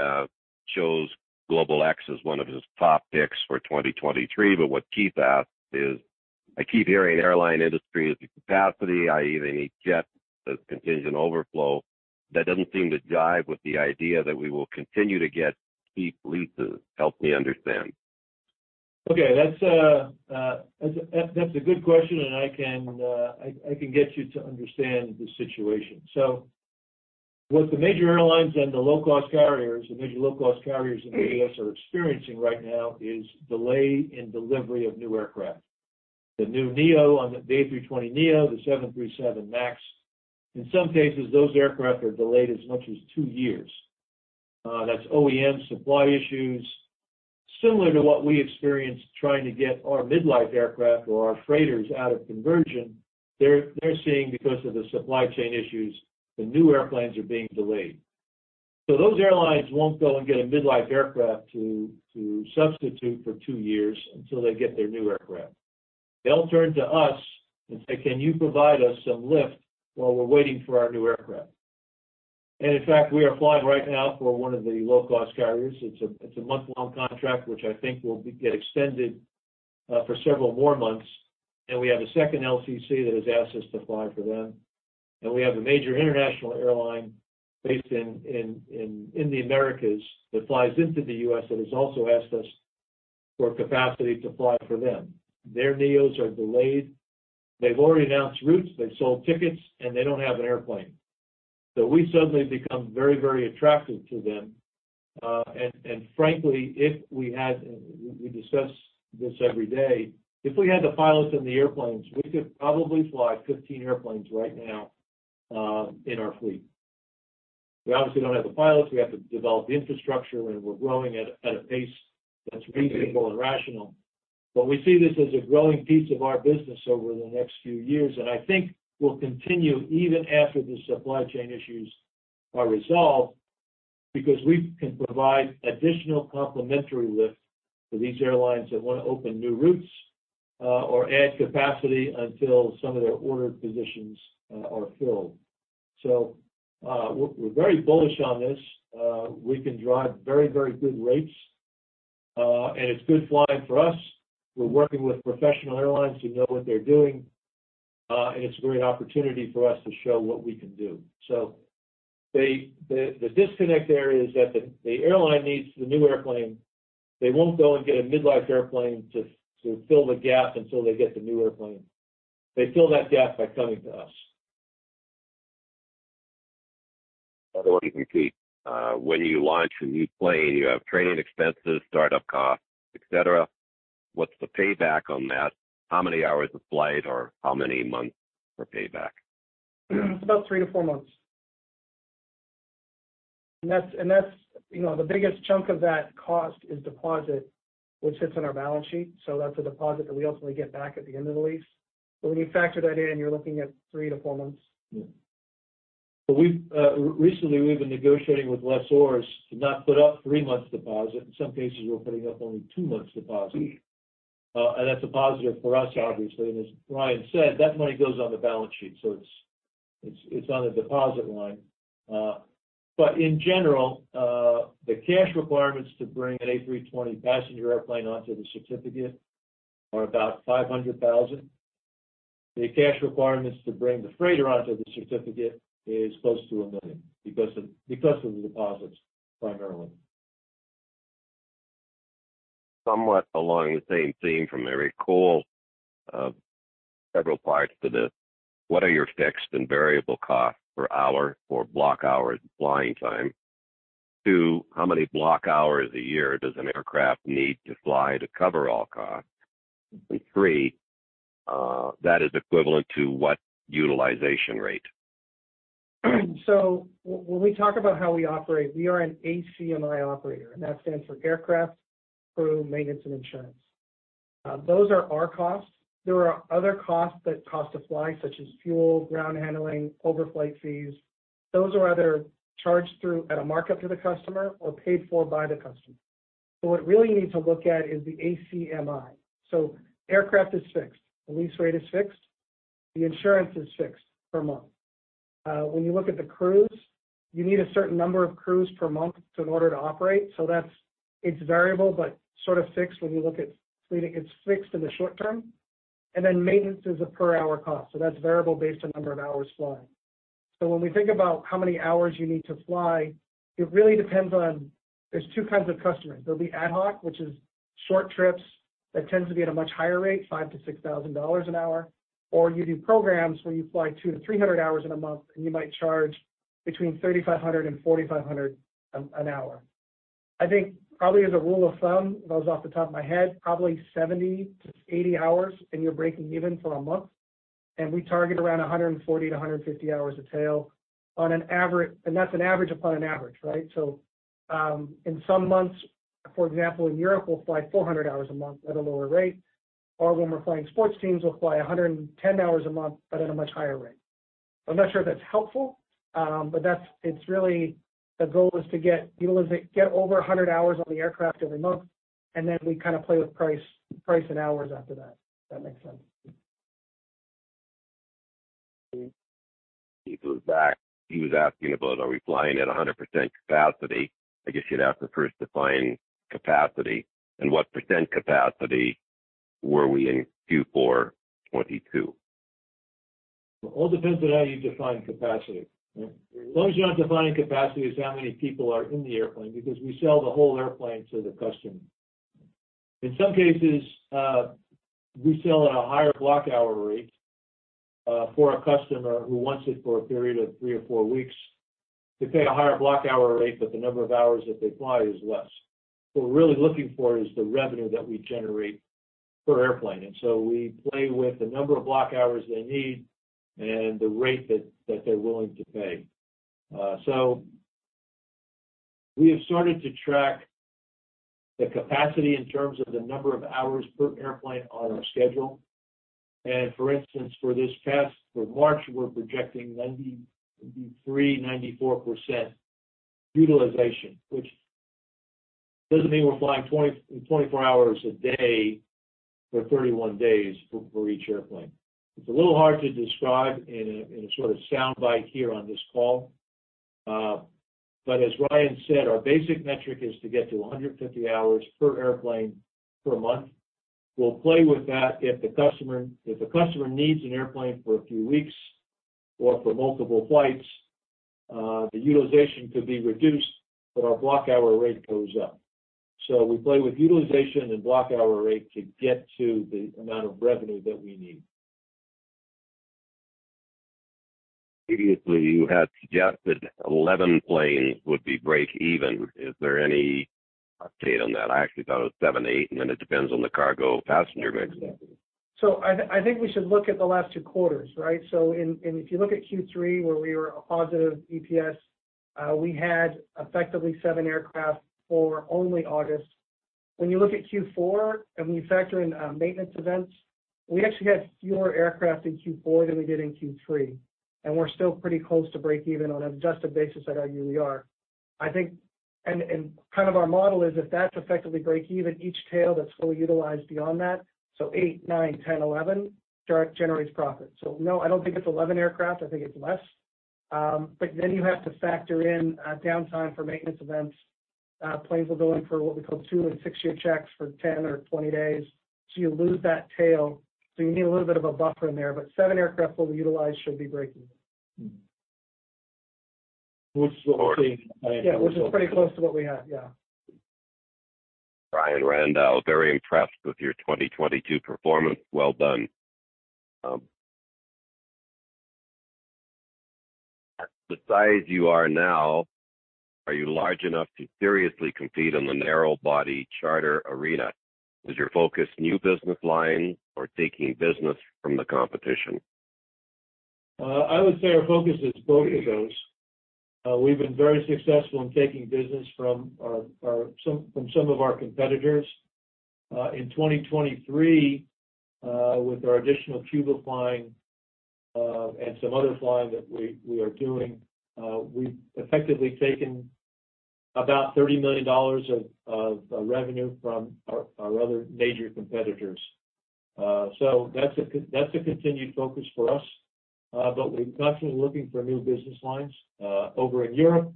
chose GlobalX as one of his top picks for 2023. What Keith asked is, "I keep hearing airline industry is at capacity, i.e. they need jets as contingent overflow. That doesn't seem to jive with the idea that we will continue to get steep leases. Help me understand. Okay. That's a good question, and I can get you to understand the situation. What the major airlines and the major low-cost carriers in the U.S. are experiencing right now is delay in delivery of new aircraft. The new NEO on the A320neo, the 737 MAX. In some cases, those aircraft are delayed as much as two years. That's OEM supply issues. Similar to what we experienced trying to get our mid-life aircraft or our freighters out of conversion, they're seeing, because of the supply chain issues, the new airplanes are being delayed. Those airlines won't go and get a mid-life aircraft to substitute for two years until they get their new aircraft. They'll turn to us and say, "Can you provide us some lift while we're waiting for our new aircraft?" In fact, we are flying right now for one of the low-cost carriers. It's a month-long contract, which I think get extended for several more months. We have a second LCC that has asked us to fly for them. We have a major international airline based in the Americas that flies into the U.S. that has also asked us for capacity to fly for them. Their NEOs are delayed. They've already announced routes, they've sold tickets, and they don't have an airplane. We suddenly become very attractive to them. Frankly, We discuss this every day. If we had the pilots and the airplanes, we could probably fly 15 airplanes right now in our fleet. We obviously don't have the pilots. We have to develop the infrastructure. We're growing at a pace that's reasonable and rational. We see this as a growing piece of our business over the next few years, and I think will continue even after the supply chain issues are resolved, because we can provide additional complementary lift for these airlines that wanna open new routes or add capacity until some of their order positions are filled. We're very bullish on this. We can drive very good rates. It's good flying for us. We're working with professional airlines who know what they're doing. It's a great opportunity for us to show what we can do. The disconnect there is that the airline needs the new airplane. They won't go and get a mid-life airplane to fill the gap until they get the new airplane. They fill that gap by coming to us. One more thing for Keith. When you launch a new plane, you have training expenses, startup costs, et cetera. What's the payback on that? How many hours of flight or how many months for payback? It's about three to four months. That's, you know, the biggest chunk of that cost is deposit, which sits on our balance sheet. That's a deposit that we ultimately get back at the end of the lease. When you factor that in, you're looking at three to four months. We've recently been negotiating with lessors to not put up three months' deposit. In some cases, we're putting up only two months' deposit. That's a positive for us, obviously. As Ryan said, that money goes on the balance sheet, so it's on the deposit line. In general, the cash requirements to bring an A320 passenger airplane onto the certificate are about $500,000. The cash requirements to bring the freighter onto the certificate is close to $1 million because of the deposits primarily. Somewhat along the same theme from Eric Cole, several parts to this. What are your fixed and variable costs per hour for block hours flying time? Two, how many block hours a year does an aircraft need to fly to cover all costs? Three, that is equivalent to what utilization rate? When we talk about how we operate, we are an ACMI operator, and that stands for Aircraft Crew Maintenance and Insurance. Those are our costs. There are other costs that cost to fly, such as fuel, ground handling, overflight fees. Those are either charged through at a markup to the customer or paid for by the customer. What you really need to look at is the ACMI. Aircraft is fixed, the lease rate is fixed, the insurance is fixed per month. When you look at the crews, you need a certain number of crews per month in order to operate. That's variable, but sort of fixed when you look at fleet. It's fixed in the short term. Maintenance is a per-hour cost, so that's variable based on number of hours flying. When we think about how many hours you need to fly, it really depends on. There's two kinds of customers. There'll be ad hoc, which is short trips that tends to be at a much higher rate, $5,000-$6,000 an hour. Or you do programs where you fly 200-300 hours in a month, and you might charge between $3,500 and $4,500 an hour. I think probably as a rule of thumb, goes off the top of my head, probably 70-80 hours, and you're breaking even for a month. And we target around 140-150 hours a tail on an avera-- and that's an average upon an average, right? In some months, for example, in Europe, we'll fly 400 hours a month at a lower rate, or when we're flying sports teams, we'll fly 110 hours a month but at a much higher rate. I'm not sure if that's helpful, but that's it's really the goal is to get over 100 hours on the aircraft every month, and then we kind of play with price, and hours after that, if that makes sense? He goes back. He was asking about, are we flying at 100% capacity? I guess you'd have to first define capacity and what percent capacity were we in Q4 2022. It all depends on how you define capacity. As long as you're not defining capacity as how many people are in the airplane, because we sell the whole airplane to the customer. In some cases, we sell at a higher block hour rate for a customer who wants it for a period of three or four weeks. They pay a higher block hour rate, but the number of hours that they fly is less. What we're really looking for is the revenue that we generate per airplane, and so we play with the number of block hours they need and the rate that they're willing to pay. We have started to track the capacity in terms of the number of hours per airplane on our schedule. For instance, for this past... For March, we're projecting 93%-94% utilization, which doesn't mean we're flying 24 hours a day for 31 days for each airplane. It's a little hard to describe in a sort of soundbite here on this call. As Ryan said, our basic metric is to get to 150 hours per airplane per month. We'll play with that if the customer needs an airplane for a few weeks or for multiple flights, the utilization could be reduced, but our block hour rate goes up. We play with utilization and block hour rate to get to the amount of revenue that we need. Previously, you had suggested 11 planes would be break-even. Is there any update on that? I actually thought it was seven, eight, and then it depends on the cargo passenger mix. I think we should look at the last two quarters, right? If you look at Q3, where we were a positive EPS, we had effectively seven aircraft for only August. When you look at Q4 and when you factor in maintenance events, we actually had fewer aircraft in Q4 than we did in Q3, and we're still pretty close to break even on an adjusted basis at our UER. Kind of our model is if that's effectively break even, each tail that's fully utilized beyond that, so eight, nine, 10, 11, generates profit. No, I don't think it's 11 aircraft, I think it's less. You have to factor in downtime for maintenance events. Planes will go in for what we call two and six-year checks for 10 or 20 days. You lose that tail, so you need a little bit of a buffer in there. But seven aircraft will be utilized, should be breaking even. Which is already- Yeah, which is pretty close to what we have. Yeah. Ryan Randall, very impressed with your 2022 performance. Well done. At the size you are now, are you large enough to seriously compete in the narrow body charter arena? Is your focus new business line or taking business from the competition? I would say our focus is both of those. We've been very successful in taking business from our competitors. In 2023, with our additional Cuba flying, and some other flying that we are doing, we've effectively taken about $30 million of revenue from our other major competitors. That's a continued focus for us. We're constantly looking for new business lines. Over in Europe,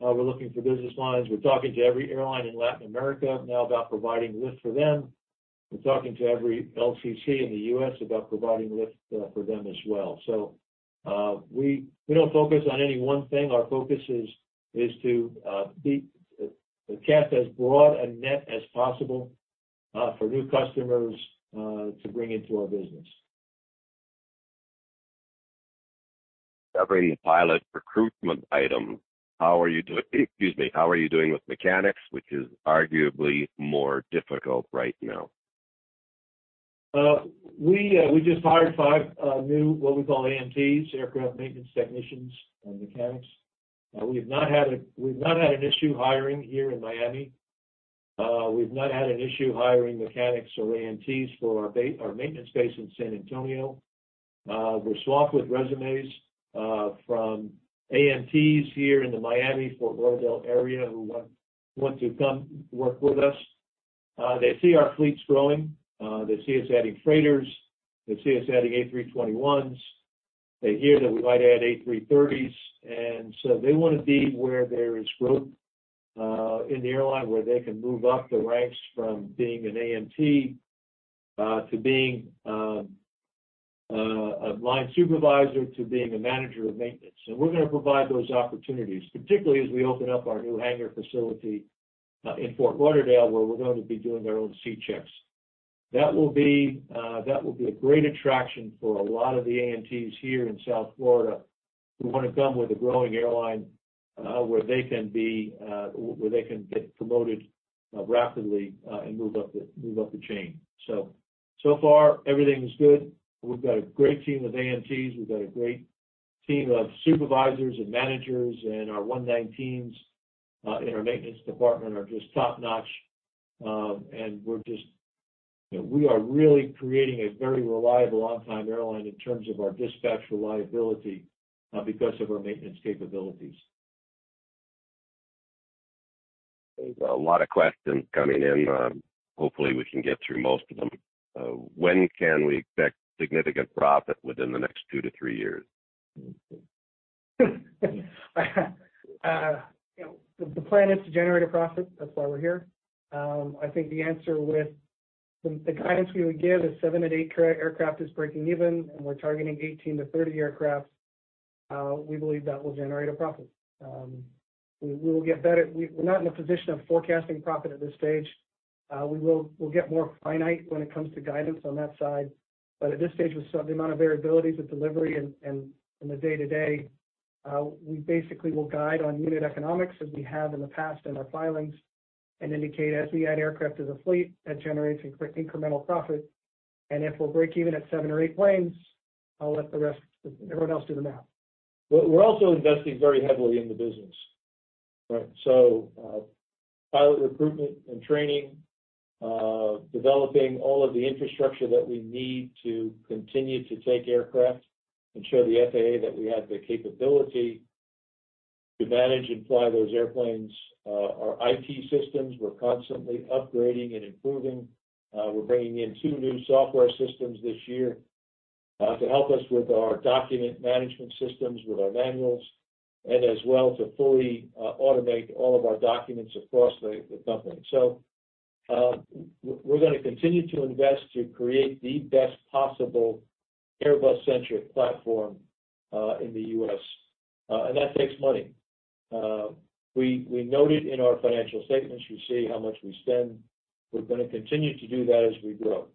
we're looking for business lines. We're talking to every airline in Latin America now about providing lift for them. We're talking to every LCC in the U.S. about providing lift for them as well. We don't focus on any one thing. Our focus is to cast as broad a net as possible for new customers to bring into our business. Covering pilot recruitment item. Excuse me. How are you doing with mechanics, which is arguably more difficult right now? We just hired five new what we call AMTs, aircraft maintenance technicians and mechanics. We've not had an issue hiring here in Miami. We've not had an issue hiring mechanics or AMTs for our maintenance base in San Antonio. We're swamped with resumes from AMTs here in the Miami, Fort Lauderdale area who want to come work with us. They see our fleet's growing. They see us adding freighters. They see us adding A321s. They hear that we might add A330s. They wanna be where there is growth in the airline where they can move up the ranks from being an AMT to being a line supervisor to being a manager of maintenance. We're gonna provide those opportunities, particularly as we open up our new hangar facility in Fort Lauderdale, where we're going to be doing our own C checks. That will be a great attraction for a lot of the AMTs here in South Florida who wanna come with a growing airline, where they can get promoted rapidly and move up the chain. So far everything's good. We've got a great team of AMTs. We've got a great team of supervisors and managers, and our one nine teams in our maintenance department are just top-notch. You know, we are really creating a very reliable on-time airline in terms of our dispatch reliability because of our maintenance capabilities. There's a lot of questions coming in. Hopefully, we can get through most of them. When can we expect significant profit within the next two to three years? You know, the plan is to generate a profit. That's why we're here. I think the answer. The guidance we would give is seven to eight aircraft is breaking even, and we're targeting 18 to 30 aircraft. We believe that will generate a profit. We will get better. We're not in a position of forecasting profit at this stage. We will get more finite when it comes to guidance on that side. At this stage, with the amount of variabilities with delivery and in the day-to-day, we basically will guide on unit economics as we have in the past in our filings and indicate as we add aircraft to the fleet, that generates incremental profit. And if we're breaking even at seven or eight planes, I'll let everyone else do the math. We're also investing very heavily in the business, right? Pilot recruitment and training, developing all of the infrastructure that we need to continue to take aircraft and show the FAA that we have the capability to manage and fly those airplanes. Our IT systems, we're constantly upgrading and improving. We're bringing in two new software systems this year, to help us with our document management systems, with our manuals, and as well to fully automate all of our documents across the company. We're gonna continue to invest to create the best possible Airbus-centric platform in the U.S., and that takes money. We noted in our financial statements, you see how much we spend. We're gonna continue to do that as we grow.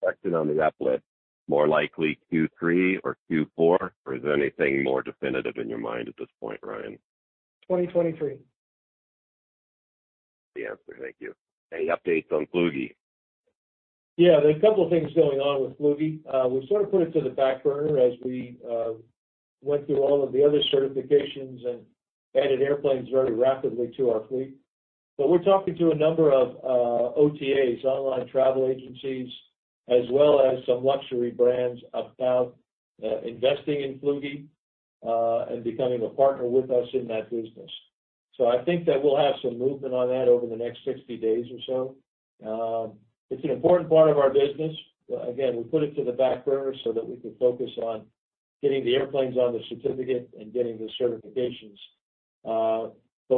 Based on the replot, more likely Q3 or Q4, or is there anything more definitive in your mind at this point, Ryan? 2023. That's the answer. Thank you. Any updates on Fluggy? Yeah. There's a couple of things going on with Fluggy. We sort of put it to the back burner as we went through all of the other certifications and added airplanes very rapidly to our fleet. We're talking to a number of OTAs, online travel agencies, as well as some luxury brands about investing in Fluggy and becoming a partner with us in that business. I think that we'll have some movement on that over the next 60 days or so. It's an important part of our business. Again, we put it to the back burner so that we could focus on getting the airplanes on the certificate and getting the certifications.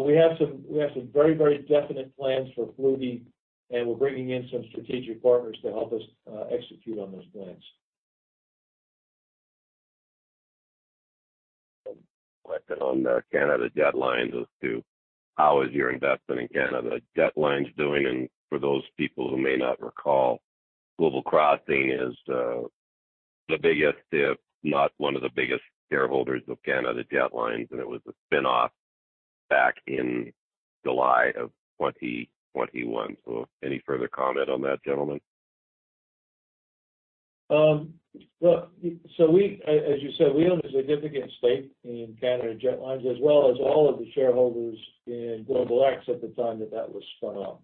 We have some very, very definite plans for Fluggy, and we're bringing in some strategic partners to help us execute on those plans. On Canada Jetlines as to how is your investment in Canada Jetlines doing? For those people who may not recall, Global Crossing is the biggest, if not one of the biggest shareholders of Canada Jetlines, and it was a spin-off back in July of 2021. Any further comment on that, gentlemen? Look, as you said, we own a significant stake in Canada Jetlines, as well as all of the shareholders in GlobalX at the time that that was spun off.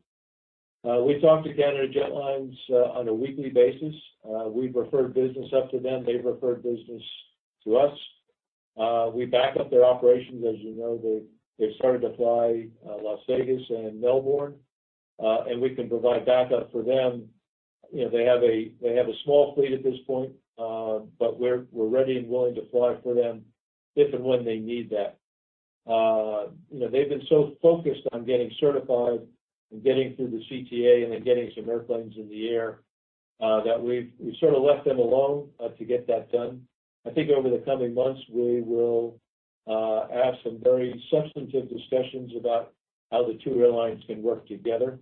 We talk to Canada Jetlines on a weekly basis. We've referred business up to them. They've referred business to us. We back up their operations. As you know, they've started to fly Las Vegas and Melbourne, and we can provide backup for them. You know, they have a small fleet at this point, but we're ready and willing to fly for them if and when they need that. You know, they've been so focused on getting certified and getting through the CTA and then getting some airplanes in the air, that we've sort of left them alone to get that done. I think over the coming months, we will have some very substantive discussions about how the two airlines can work together.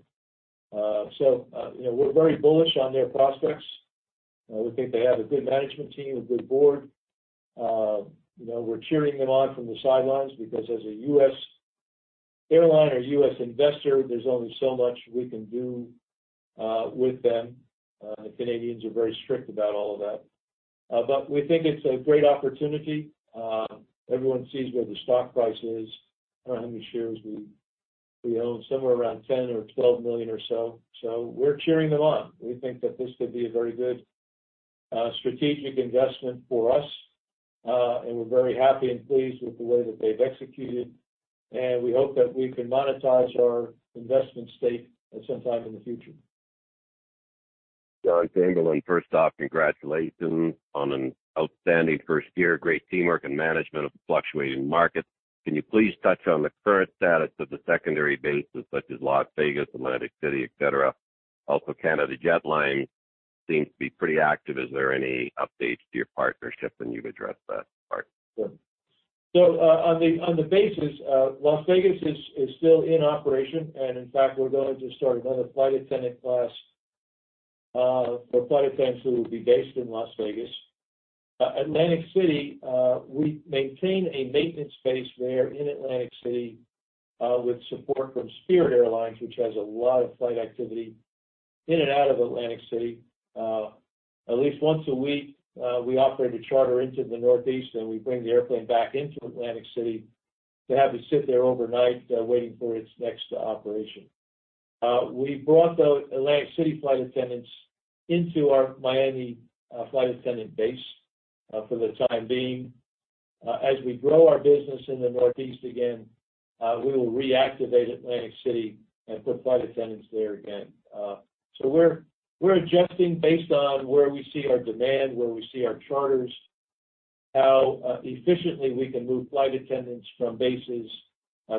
You know, we're very bullish on their prospects. We think they have a good management team, a good board. You know, we're cheering them on from the sidelines because as a U.S. airline or U.S. investor, there's only so much we can do with them. The Canadians are very strict about all of that. We think it's a great opportunity. Everyone sees where the stock price is, how many shares we own, somewhere around $10 million or $12 million or so. We're cheering them on. We think that this could be a very good, strategic investment for us. We're very happy and pleased with the way that they've executed. We hope that we can monetize our investment stake at some time in the future. John Gamblin. First off, congratulations on an outstanding first year. Great teamwork and management of the fluctuating market. Can you please touch on the current status of the secondary bases, such as Las Vegas, Atlantic City, et cetera? Also, Canada Jetlines seems to be pretty active. Is there any updates to your partnership? You've addressed that part. Sure. On the, on the bases, Las Vegas is still in operation. And in fact, we're going to start another flight attendant class for flight attendants who will be based in Las Vegas. Atlantic City, we maintain a maintenance base there in Atlantic City, with support from Spirit Airlines, which has a lot of flight activity in and out of Atlantic City. At least once a week, we operate a charter into the Northeast, and we bring the airplane back into Atlantic City to have it sit there overnight, waiting for its next operation. We brought the Atlantic City flight attendants into our Miami flight attendant base for the time being. As we grow our business in the Northeast again, we will reactivate Atlantic City and put flight attendants there again. We're adjusting based on where we see our demand, where we see our charters, how efficiently we can move flight attendants from bases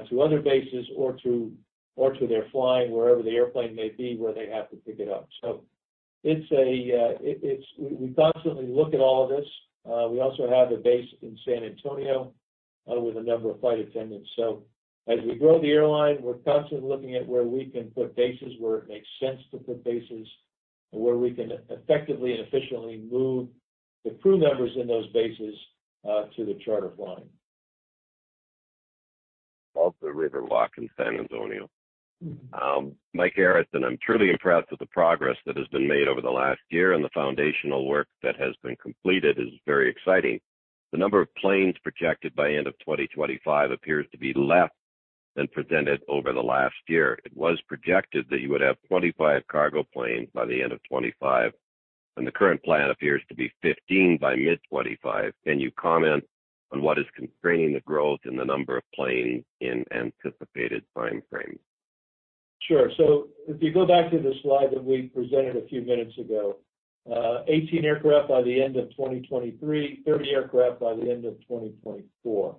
to other bases or to their flying wherever the airplane may be where they have to pick it up. We constantly look at all of this. We also have a base in San Antonio with a number of flight attendants. As we grow the airline, we're constantly looking at where we can put bases, where it makes sense to put bases, and where we can effectively and efficiently move the crew members in those bases to the charter flying. River Walk in San Antonio. Mike Harrison. I'm truly impressed with the progress that has been made over the last year. The foundational work that has been completed is very exciting. The number of planes projected by end of 2025 appears to be less than presented over the last year. It was projected that you would have 25 cargo planes by the end of 2025. The current plan appears to be 15 by mid 2025. Can you comment on what is constraining the growth in the number of planes in anticipated timeframes? Sure. If you go back to the slide that we presented a few minutes ago, 18 aircraft by the end of 2023, 30 aircraft by the end of 2024.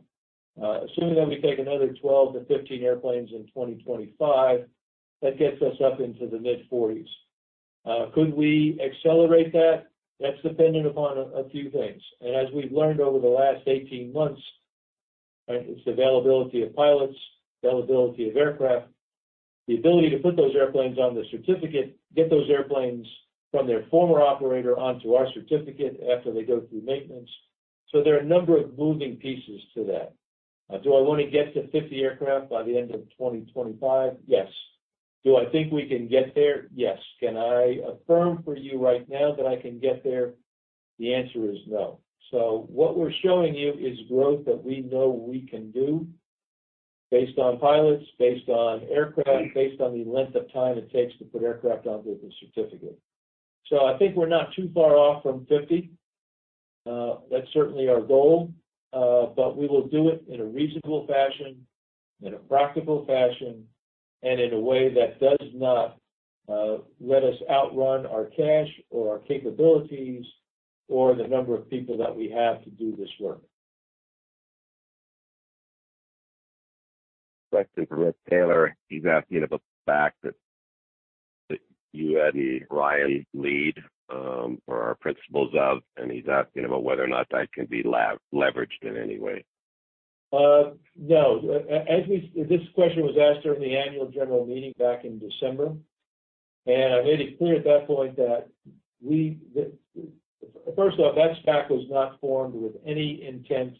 Assuming that we take another 12-15 airplanes in 2025, that gets us up into the mid-40s. Could we accelerate that? That's dependent upon a few things. As we've learned over the last 18 months, right, it's availability of pilots, availability of aircraft, the ability to put those airplanes on the certificate, get those airplanes from their former operator onto our certificate after they go through maintenance. There are a number of moving pieces to that. Do I wanna get to 50 aircraft by the end of 2025? Yes. Do I think we can get there? Yes. Can I affirm for you right now that I can get there? The answer is no. What we're showing you is growth that we know we can do based on pilots, based on aircraft, based on the length of time it takes to put aircraft onto the certificate. I think we're not too far off from 50. That's certainly our goal. We will do it in a reasonable fashion, in a practical fashion, and in a way that does not let us outrun our cash or our capabilities or the number of people that we have to do this work. Director Rick Taylor. He's asking about the SPAC that you and Ryan lead, or are principals of. He's asking about whether or not that can be leveraged in any way. No. This question was asked during the annual general meeting back in December. I made it clear at that point that we. First off, that SPAC was not formed with any intent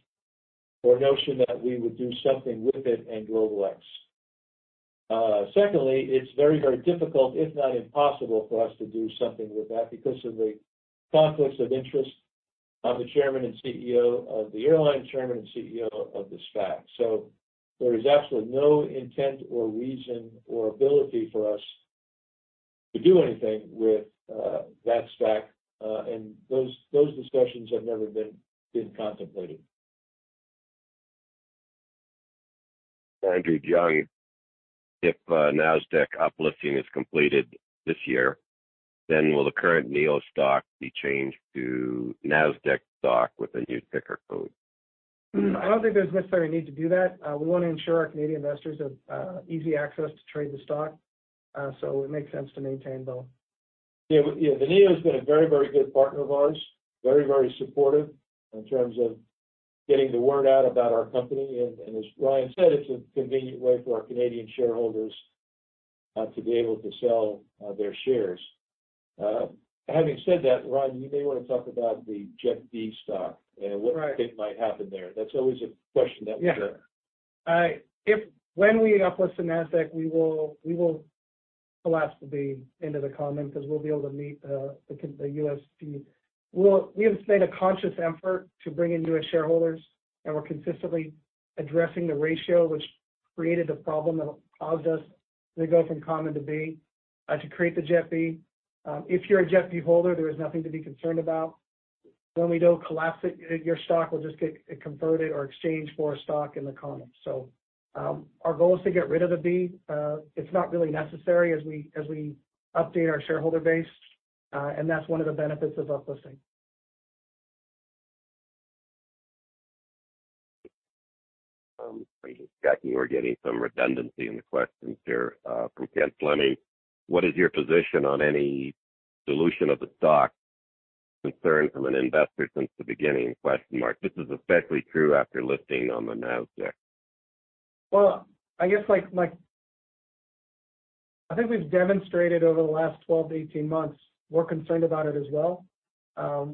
or notion that we would do something with it and GlobalX. Secondly, it's very, very difficult, if not impossible, for us to do something with that because of the conflicts of interest of the Chairman and CEO of the airline, Chairman and CEO of the SPAC. There is absolutely no intent or reason or ability for us to do anything with that SPAC, and those discussions have never been contemplated. Andrew Young. If Nasdaq uplisting is completed this year, will the current NEO stock be changed to Nasdaq stock with a new ticker code? I don't think there's a necessary need to do that. We wanna ensure our Canadian investors have easy access to trade the stock. It makes sense to maintain both. Yeah. The NEO has been a very good partner of ours, very supportive in terms of getting the word out about our company. As Ryan said, it's a convenient way for our Canadian shareholders to be able to sell their shares. Having said that, Ryan, you may wanna talk about the JETB stock. Right. What might happen there. That's always a question that we get. If when we uplift to Nasdaq, we will collapse the B into the common because we'll be able to meet the USP. We have made a conscious effort to bring in new shareholders, and we're consistently addressing the ratio which created the problem that caused us to go from common to B to create the JETB. If you're a JETB holder, there is nothing to be concerned about. When we do collapse it, your stock will just get converted or exchanged for a stock in the common. Our goal is to get rid of the B. It's not really necessary as we update our shareholder base, and that's one of the benefits of uplisting. We're getting some redundancy in the questions here. From Ken Fleming, what is your position on any dilution of the stock concern from an investor since the beginning? This is especially true after listing on the Nasdaq. Well, I guess like... I think we've demonstrated over the last 12 to 18 months we're concerned about it as well.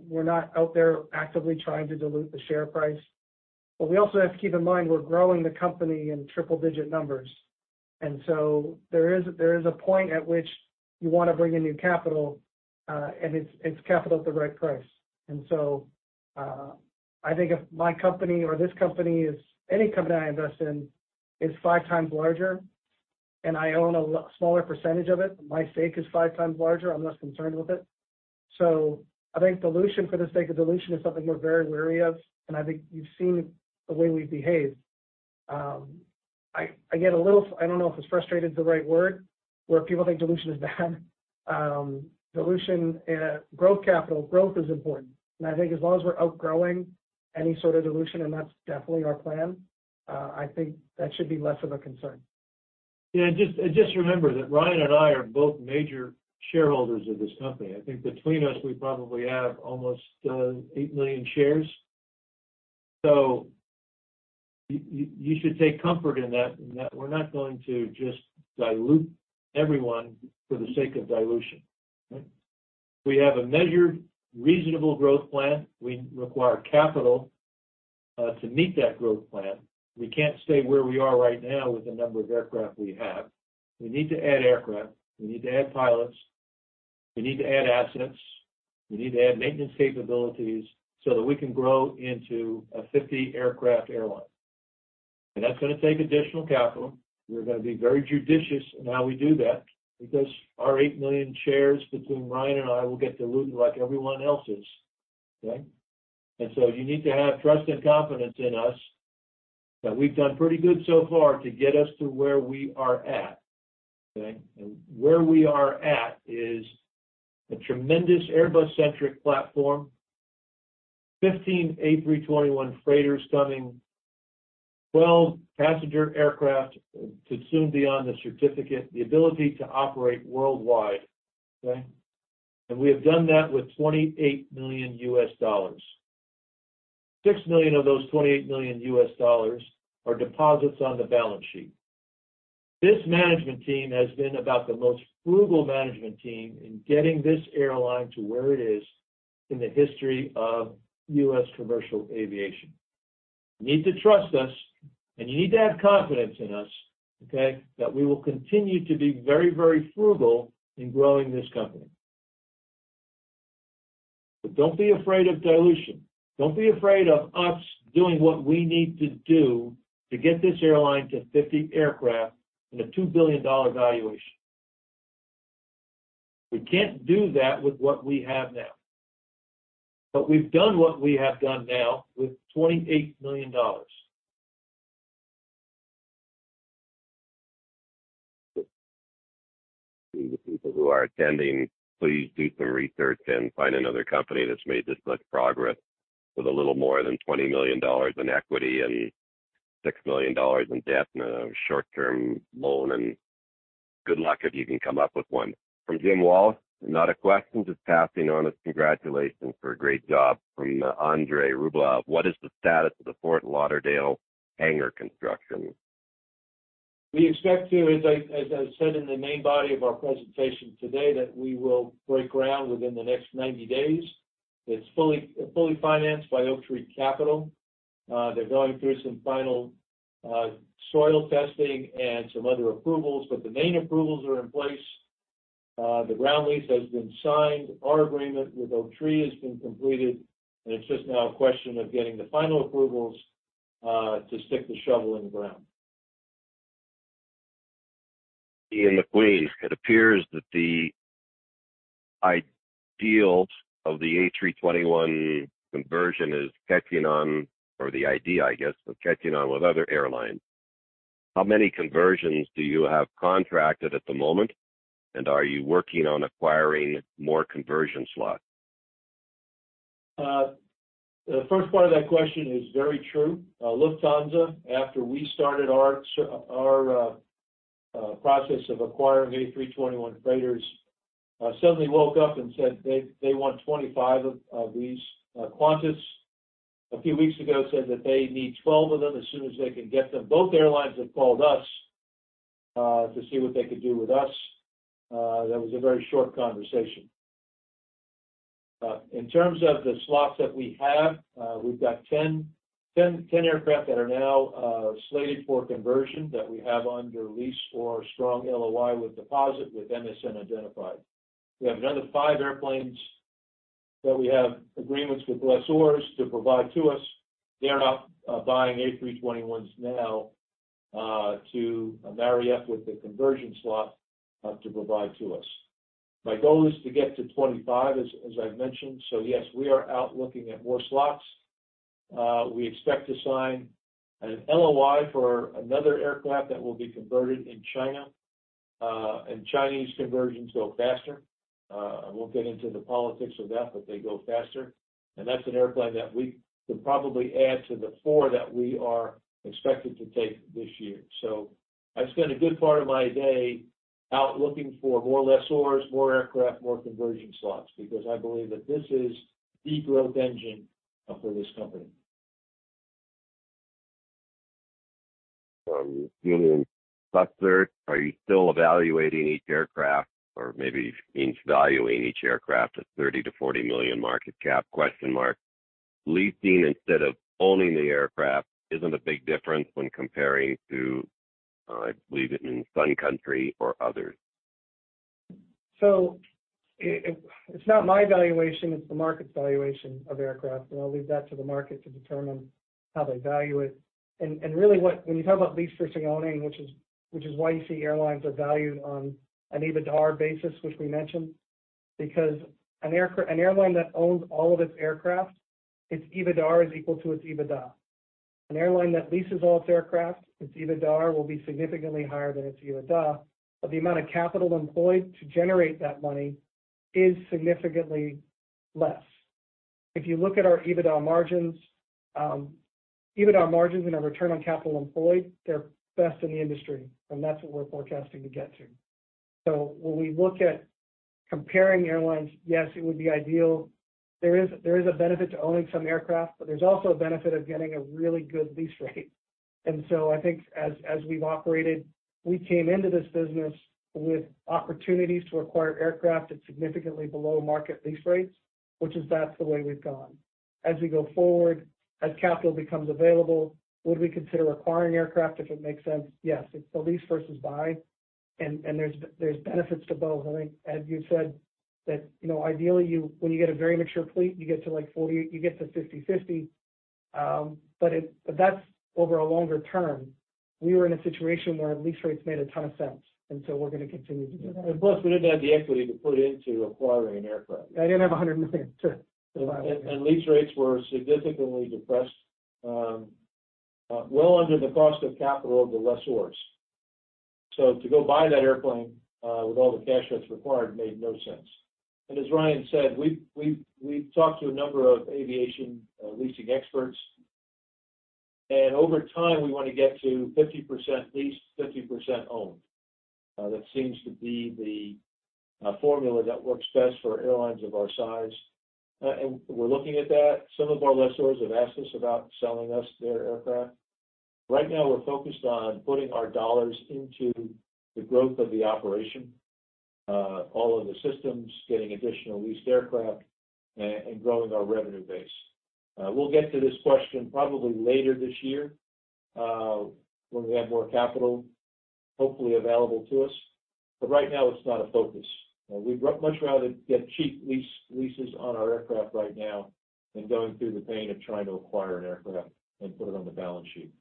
We're not out there actively trying to dilute the share price. We also have to keep in mind we're growing the company in triple digit numbers. There is a point at which you wanna bring in new capital, and it's capital at the right price. I think if my company or this company any company I invest in is five times larger and I own a smaller percentage of it, my stake is five times larger, I'm less concerned with it. I think dilution for the sake of dilution is something we're very wary of, and I think you've seen the way we've behaved. I get a little... I don't know if frustrated is the right word, where people think dilution is bad. Dilution. Growth capital, growth is important. I think as long as we're outgrowing any sort of dilution, and that's definitely our plan, I think that should be less of a concern. Yeah, just remember that Ryan and I are both major shareholders of this company. I think between us we probably have almost eight million shares. You should take comfort in that, in that we're not going to just dilute everyone for the sake of dilution. We have a measured, reasonable growth plan. We require capital to meet that growth plan. We can't stay where we are right now with the number of aircraft we have. We need to add aircraft. We need to add pilots. We need to add assets. We need to add maintenance capabilities so that we can grow into a 50-aircraft airline. That's gonna take additional capital. We're gonna be very judicious in how we do that because our eight million shares between Ryan and I will get diluted like everyone else's. Okay? You need to have trust and confidence in us that we've done pretty good so far to get us to where we are at. Okay? Where we are at is a tremendous Airbus-centric platform, 15 A321 freighters coming, 12 passenger aircraft to soon be on the certificate, the ability to operate worldwide. Okay? We have done that with $28 million. $6 million of those $28 million are deposits on the balance sheet. This management team has been about the most frugal management team in getting this airline to where it is in the history of U.S. commercial aviation. You need to trust us, and you need to have confidence in us, okay? That we will continue to be very, very frugal in growing this company. Don't be afraid of dilution. Don't be afraid of us doing what we need to do to get this airline to 50 aircraft and a $2 billion valuation. We can't do that with what we have now. We've done what we have done now with $28 million. The people who are attending, please do some research and find another company that's made this much progress with a little more than $20 million in equity and $6 million in debt and a short-term loan, good luck if you can come up with one. From Jim Wallace, not a question, just passing on a congratulations for a great job. From Andre Rublev, what is the status of the Fort Lauderdale hangar construction? We expect to, as I said in the main body of our presentation today, that we will break ground within the next 90 days. It's fully financed by Oaktree Capital. They're going through some final soil testing and some other approvals, but the main approvals are in place. The ground lease has been signed. Our agreement with Oaktree has been completed, and it's just now a question of getting the final approvals to stick the shovel in the ground. Ian Macqueen. It appears that the ideals of the A321 conversion is catching on, or the idea, I guess, of catching on with other airlines. How many conversions do you have contracted at the moment? Are you working on acquiring more conversion slots? The first part of that question is very true. Lufthansa, after we started our process of acquiring A321 freighters, suddenly woke up and said they want 25 of these. Qantas, a few weeks ago, said that they need 12 of them as soon as they can get them. Both airlines have called us to see what they could do with us. That was a very short conversation. In terms of the slots that we have, we've got 10 aircraft that are now slated for conversion that we have under lease or strong LOI with deposit with MSN identified. We have another five airplanes that we have agreements with lessors to provide to us. They're now buying A321s now to marry up with the conversion slot to provide to us. My goal is to get to 25, as I've mentioned. Yes, we are out looking at more slots. We expect to sign an LOI for another aircraft that will be converted in China. Chinese conversions go faster. I won't get into the politics of that, but they go faster. That's an airplane that we could probably add to the four that we are expected to take this year. I spend a good part of my day out looking for more lessors, more aircraft, more conversion slots, because I believe that this is the growth engine for this company. From Julian Butler. Are you still evaluating each aircraft, or maybe valuing each aircraft at $30 million-$40 million market cap? Leasing instead of owning the aircraft isn't a big difference when comparing to, I believe it means Sun Country or others. It's not my valuation, it's the market's valuation of aircraft. I'll leave that to the market to determine how they value it. Really, when you talk about lease versus owning, which is why you see airlines are valued on an EBITDA basis, which we mentioned, because an airline that owns all of its aircraft, its EBITDA is equal to its EBITDA. An airline that leases all its aircraft, its EBITDA will be significantly higher than its EBITDA, but the amount of capital employed to generate that money is significantly less. If you look at our EBITDA margins and our return on capital employed, they're best in the industry, and that's what we're forecasting to get to. When we look at comparing airlines, yes, it would be ideal. There is a benefit to owning some aircraft, but there's also a benefit of getting a really good lease rate. I think as we've operated, we came into this business with opportunities to acquire aircraft at significantly below market lease rates, which is that's the way we've gone. As we go forward, as capital becomes available, would we consider acquiring aircraft if it makes sense? Yes. It's a lease versus buy. There's benefits to both. I think, as you said, that, you know, ideally, when you get a very mature fleet, you get to, like, 40, you get to 50/50, but that's over a longer term. We were in a situation where lease rates made a ton of sense, we're gonna continue to do that. Plus, we didn't have the equity to put into acquiring an aircraft. I didn't have $100 million to buy. Lease rates were significantly depressed, well under the cost of capital of the lessors. To go buy that airplane, with all the cash that's required, made no sense. As Ryan said, we've talked to a number of aviation leasing experts, and over time, we wanna get to 50% leased, 50% owned. That seems to be the formula that works best for airlines of our size. We're looking at that. Some of our lessors have asked us about selling us their aircraft. Right now, we're focused on putting our dollars into the growth of the operation, all of the systems, getting additional leased aircraft, and growing our revenue base. We'll get to this question probably later this year, when we have more capital, hopefully available to us. Right now, it's not a focus. We'd much rather get cheap leases on our aircraft right now than going through the pain of trying to acquire an aircraft and put it on the balance sheet.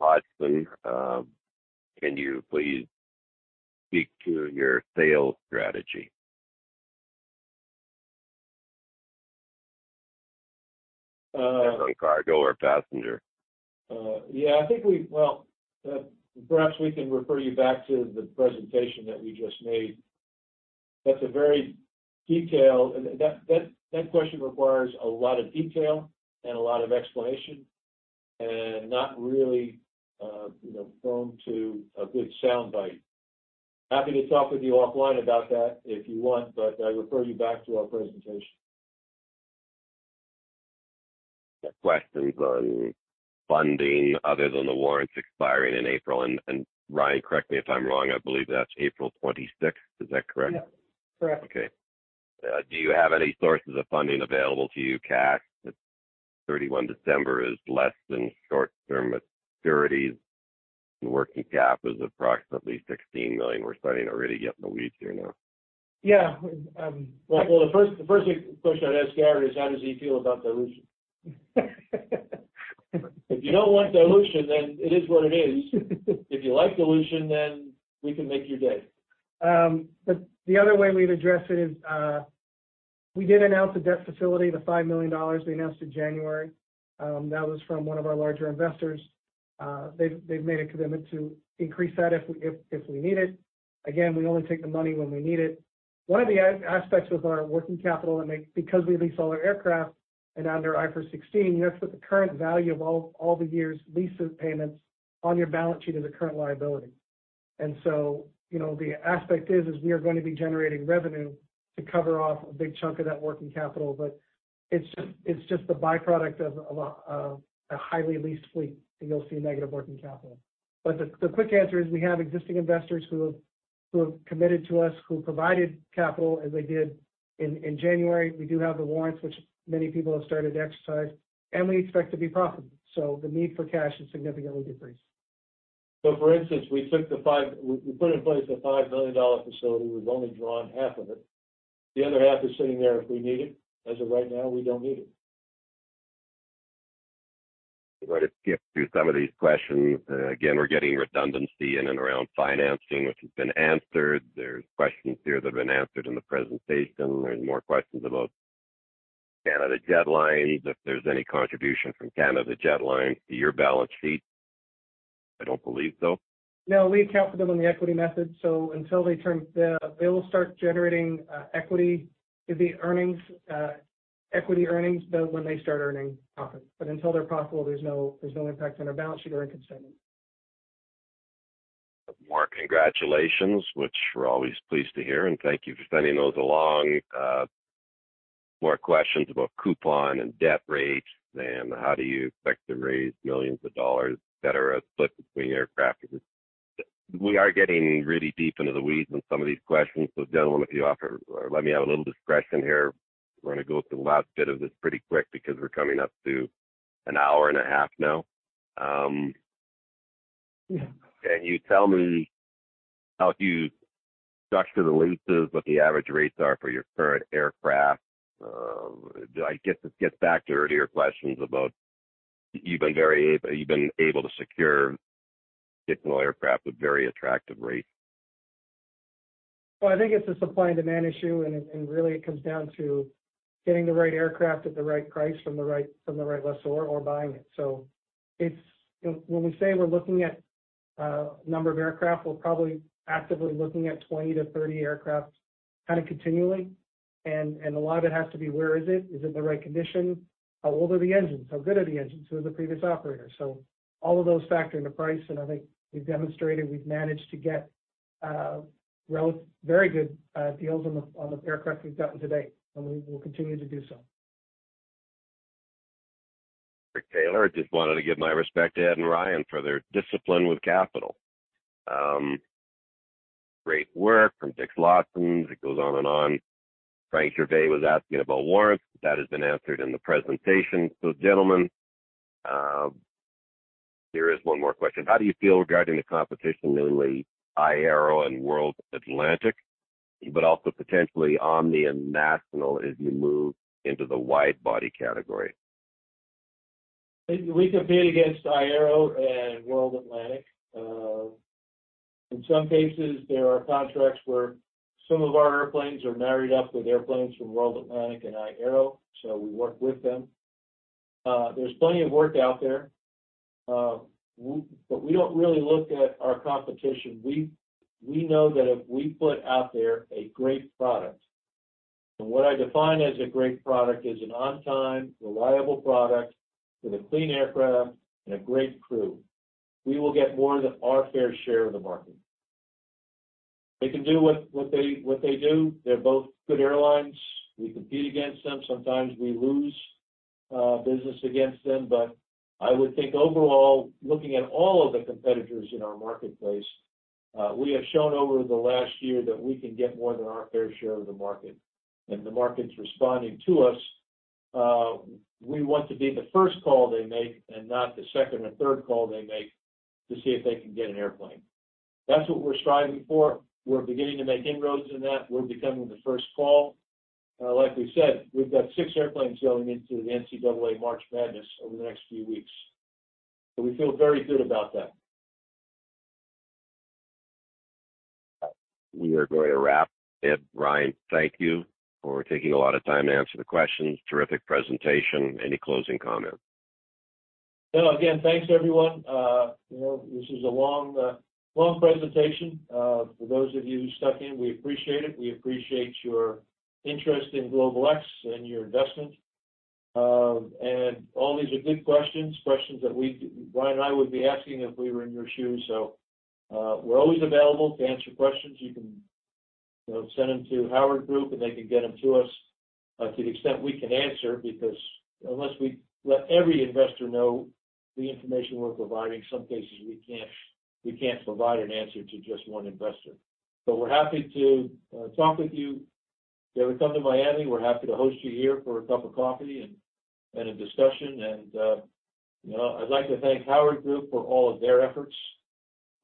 Well, lastly, can you please speak to your sales strategy? Uh- On cargo or passenger. Yeah, I think Well, perhaps we can refer you back to the presentation that we just made. That question requires a lot of detail and a lot of explanation, not really, you know, prone to a good soundbite. Happy to talk with you offline about that if you want. I refer you back to our presentation. Questions on funding other than the warrants expiring in April. Ryan, correct me if I'm wrong, I believe that's April 26th. Is that correct? Yeah, correct. Okay. Do you have any sources of funding available to you, cash? At 31 December is less than short-term maturities, working cap is approximately $16 million. We're starting to already get in the weeds here now. Yeah. The first question I'd ask Garrett is how does he feel about dilution? If you don't want dilution, then it is what it is. If you like dilution, then we can make your day. The other way we'd address it is, we did announce the debt facility, the $5 million we announced in January. That was from one of our larger investors. They've made a commitment to increase that if we need it. Again, we only take the money when we need it. One of the aspects with our working capital and make... because we lease all our aircraft and under IFRS 16, you have to put the current value of all the years' leases payments on your balance sheet as a current liability. You know, the aspect is, we are gonna be generating revenue to cover off a big chunk of that working capital. It's just a by-product of a highly leased fleet, and you'll see negative working capital. The quick answer is we have existing investors who have committed to us, who provided capital as they did in January. We do have the warrants, which many people have started to exercise, and we expect to be profitable. The need for cash has significantly decreased. For instance, we put in place a $5 million facility. We've only drawn half of it. The other half is sitting there if we need it. As of right now, we don't need it. We'll just skip through some of these questions. again, we're getting redundancy in and around financing, which has been answered. There's questions here that have been answered in the presentation. There's more questions about Canada Jetlines, if there's any contribution from Canada Jetlines to your balance sheet. I don't believe so. No, we account for them in the equity method. They will start generating equity earnings when they start earning profits. Until they're profitable, there's no impact on our balance sheet or income statement. More congratulations, which we're always pleased to hear. Thank you for sending those along. More questions about coupon and debt rates. How do you expect to raise millions of dollars that are split between aircraft leases? We are getting really deep into the weeds on some of these questions. Gentlemen, if you offer or let me have a little discretion here, we're gonna go through the last bit of this pretty quick because we're coming up to an hour and a half now. Yeah. Can you tell me how you structure the leases, what the average rates are for your current aircraft? I guess it gets back to earlier questions about you've been able to secure additional aircraft with very attractive rates. I think it's a supply and demand issue, and it, and really it comes down to getting the right aircraft at the right price from the right, from the right lessor or buying it. When we say we're looking at a number of aircraft, we're probably actively looking at 20 to 30 aircraft kind of continually, and a lot of it has to be where is it? Is it in the right condition? How old are the engines? How good are the engines? Who are the previous operators? All of those factor into price, and I think we've demonstrated we've managed to get very good deals on the aircraft we've gotten to date, and we will continue to do so. Rick Taylor, just wanted to give my respect to Ed and Ryan for their discipline with capital. Great work from Richard Lawson. It goes on and on. Frank Gervais was asking about warrants. That has been answered in the presentation. Gentlemen, here is one more question: How do you feel regarding the competition, namely iAero and World Atlantic, but also potentially Omni and National as you move into the wide body category? We compete against iAero and World Atlantic. In some cases, there are contracts where some of our airplanes are married up with airplanes from World Atlantic and iAero, so we work with them. There's plenty of work out there. We don't really look at our competition. We know that if we put out there a great product, and what I define as a great product is an on time, reliable product with a clean aircraft and a great crew, we will get more than our fair share of the market. They can do what they do. They're both good airlines. We compete against them. Sometimes we lose business against them. I would think overall, looking at all of the competitors in our marketplace, we have shown over the last year that we can get more than our fair share of the market, and the market's responding to us. We want to be the first call they make and not the second or third call they make to see if they can get an airplane. That's what we're striving for. We're beginning to make inroads in that. We're becoming the first call. Like we said, we've got 6 airplanes going into the NCAA March Madness over the next few weeks. We feel very good about that. We are going to wrap. Ed, Ryan, thank you for taking a lot of time to answer the questions. Terrific presentation. Any closing comments? No. Again, thanks everyone. You know, this is a long, long presentation. For those of you who stuck in, we appreciate it. We appreciate your interest in GlobalX and your investment. All these are good questions that Ryan and I would be asking if we were in your shoes. We're always available to answer questions. You can, you know, send them to Howard Group, and they can get them to us, to the extent we can answer because unless we let every investor know the information we're providing, some cases we can't provide an answer to just one investor. We're happy to talk with you. If you ever come to Miami, we're happy to host you here for a cup of coffee and a discussion. You know, I'd like to thank Howard Group for all of their efforts,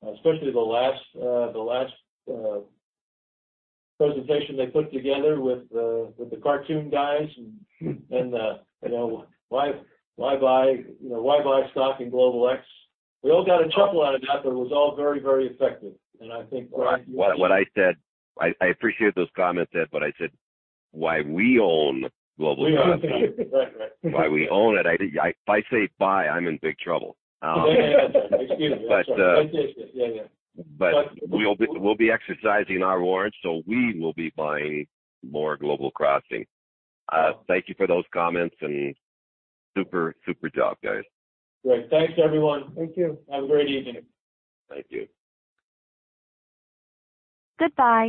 especially the last, the last presentation they put together with the, with the cartoon guys and, you know, why buy, you know, why buy stock in GlobalX? We all got a chuckle out of that, but it was all very, very effective. I think- What I said. I appreciate those comments, Ed, I said, why we own Global Crossing. We own. Right. Right. Why we own it. I think if I say buy, I'm in big trouble. Yeah, yeah. Excuse me. I'm sorry. But, uh- My mistake. Yeah, yeah. We'll be exercising our warrants. We will be buying more Global Crossing. Thank you for those comments and super job, guys. Great. Thanks, everyone. Thank you. Have a great evening. Thank you.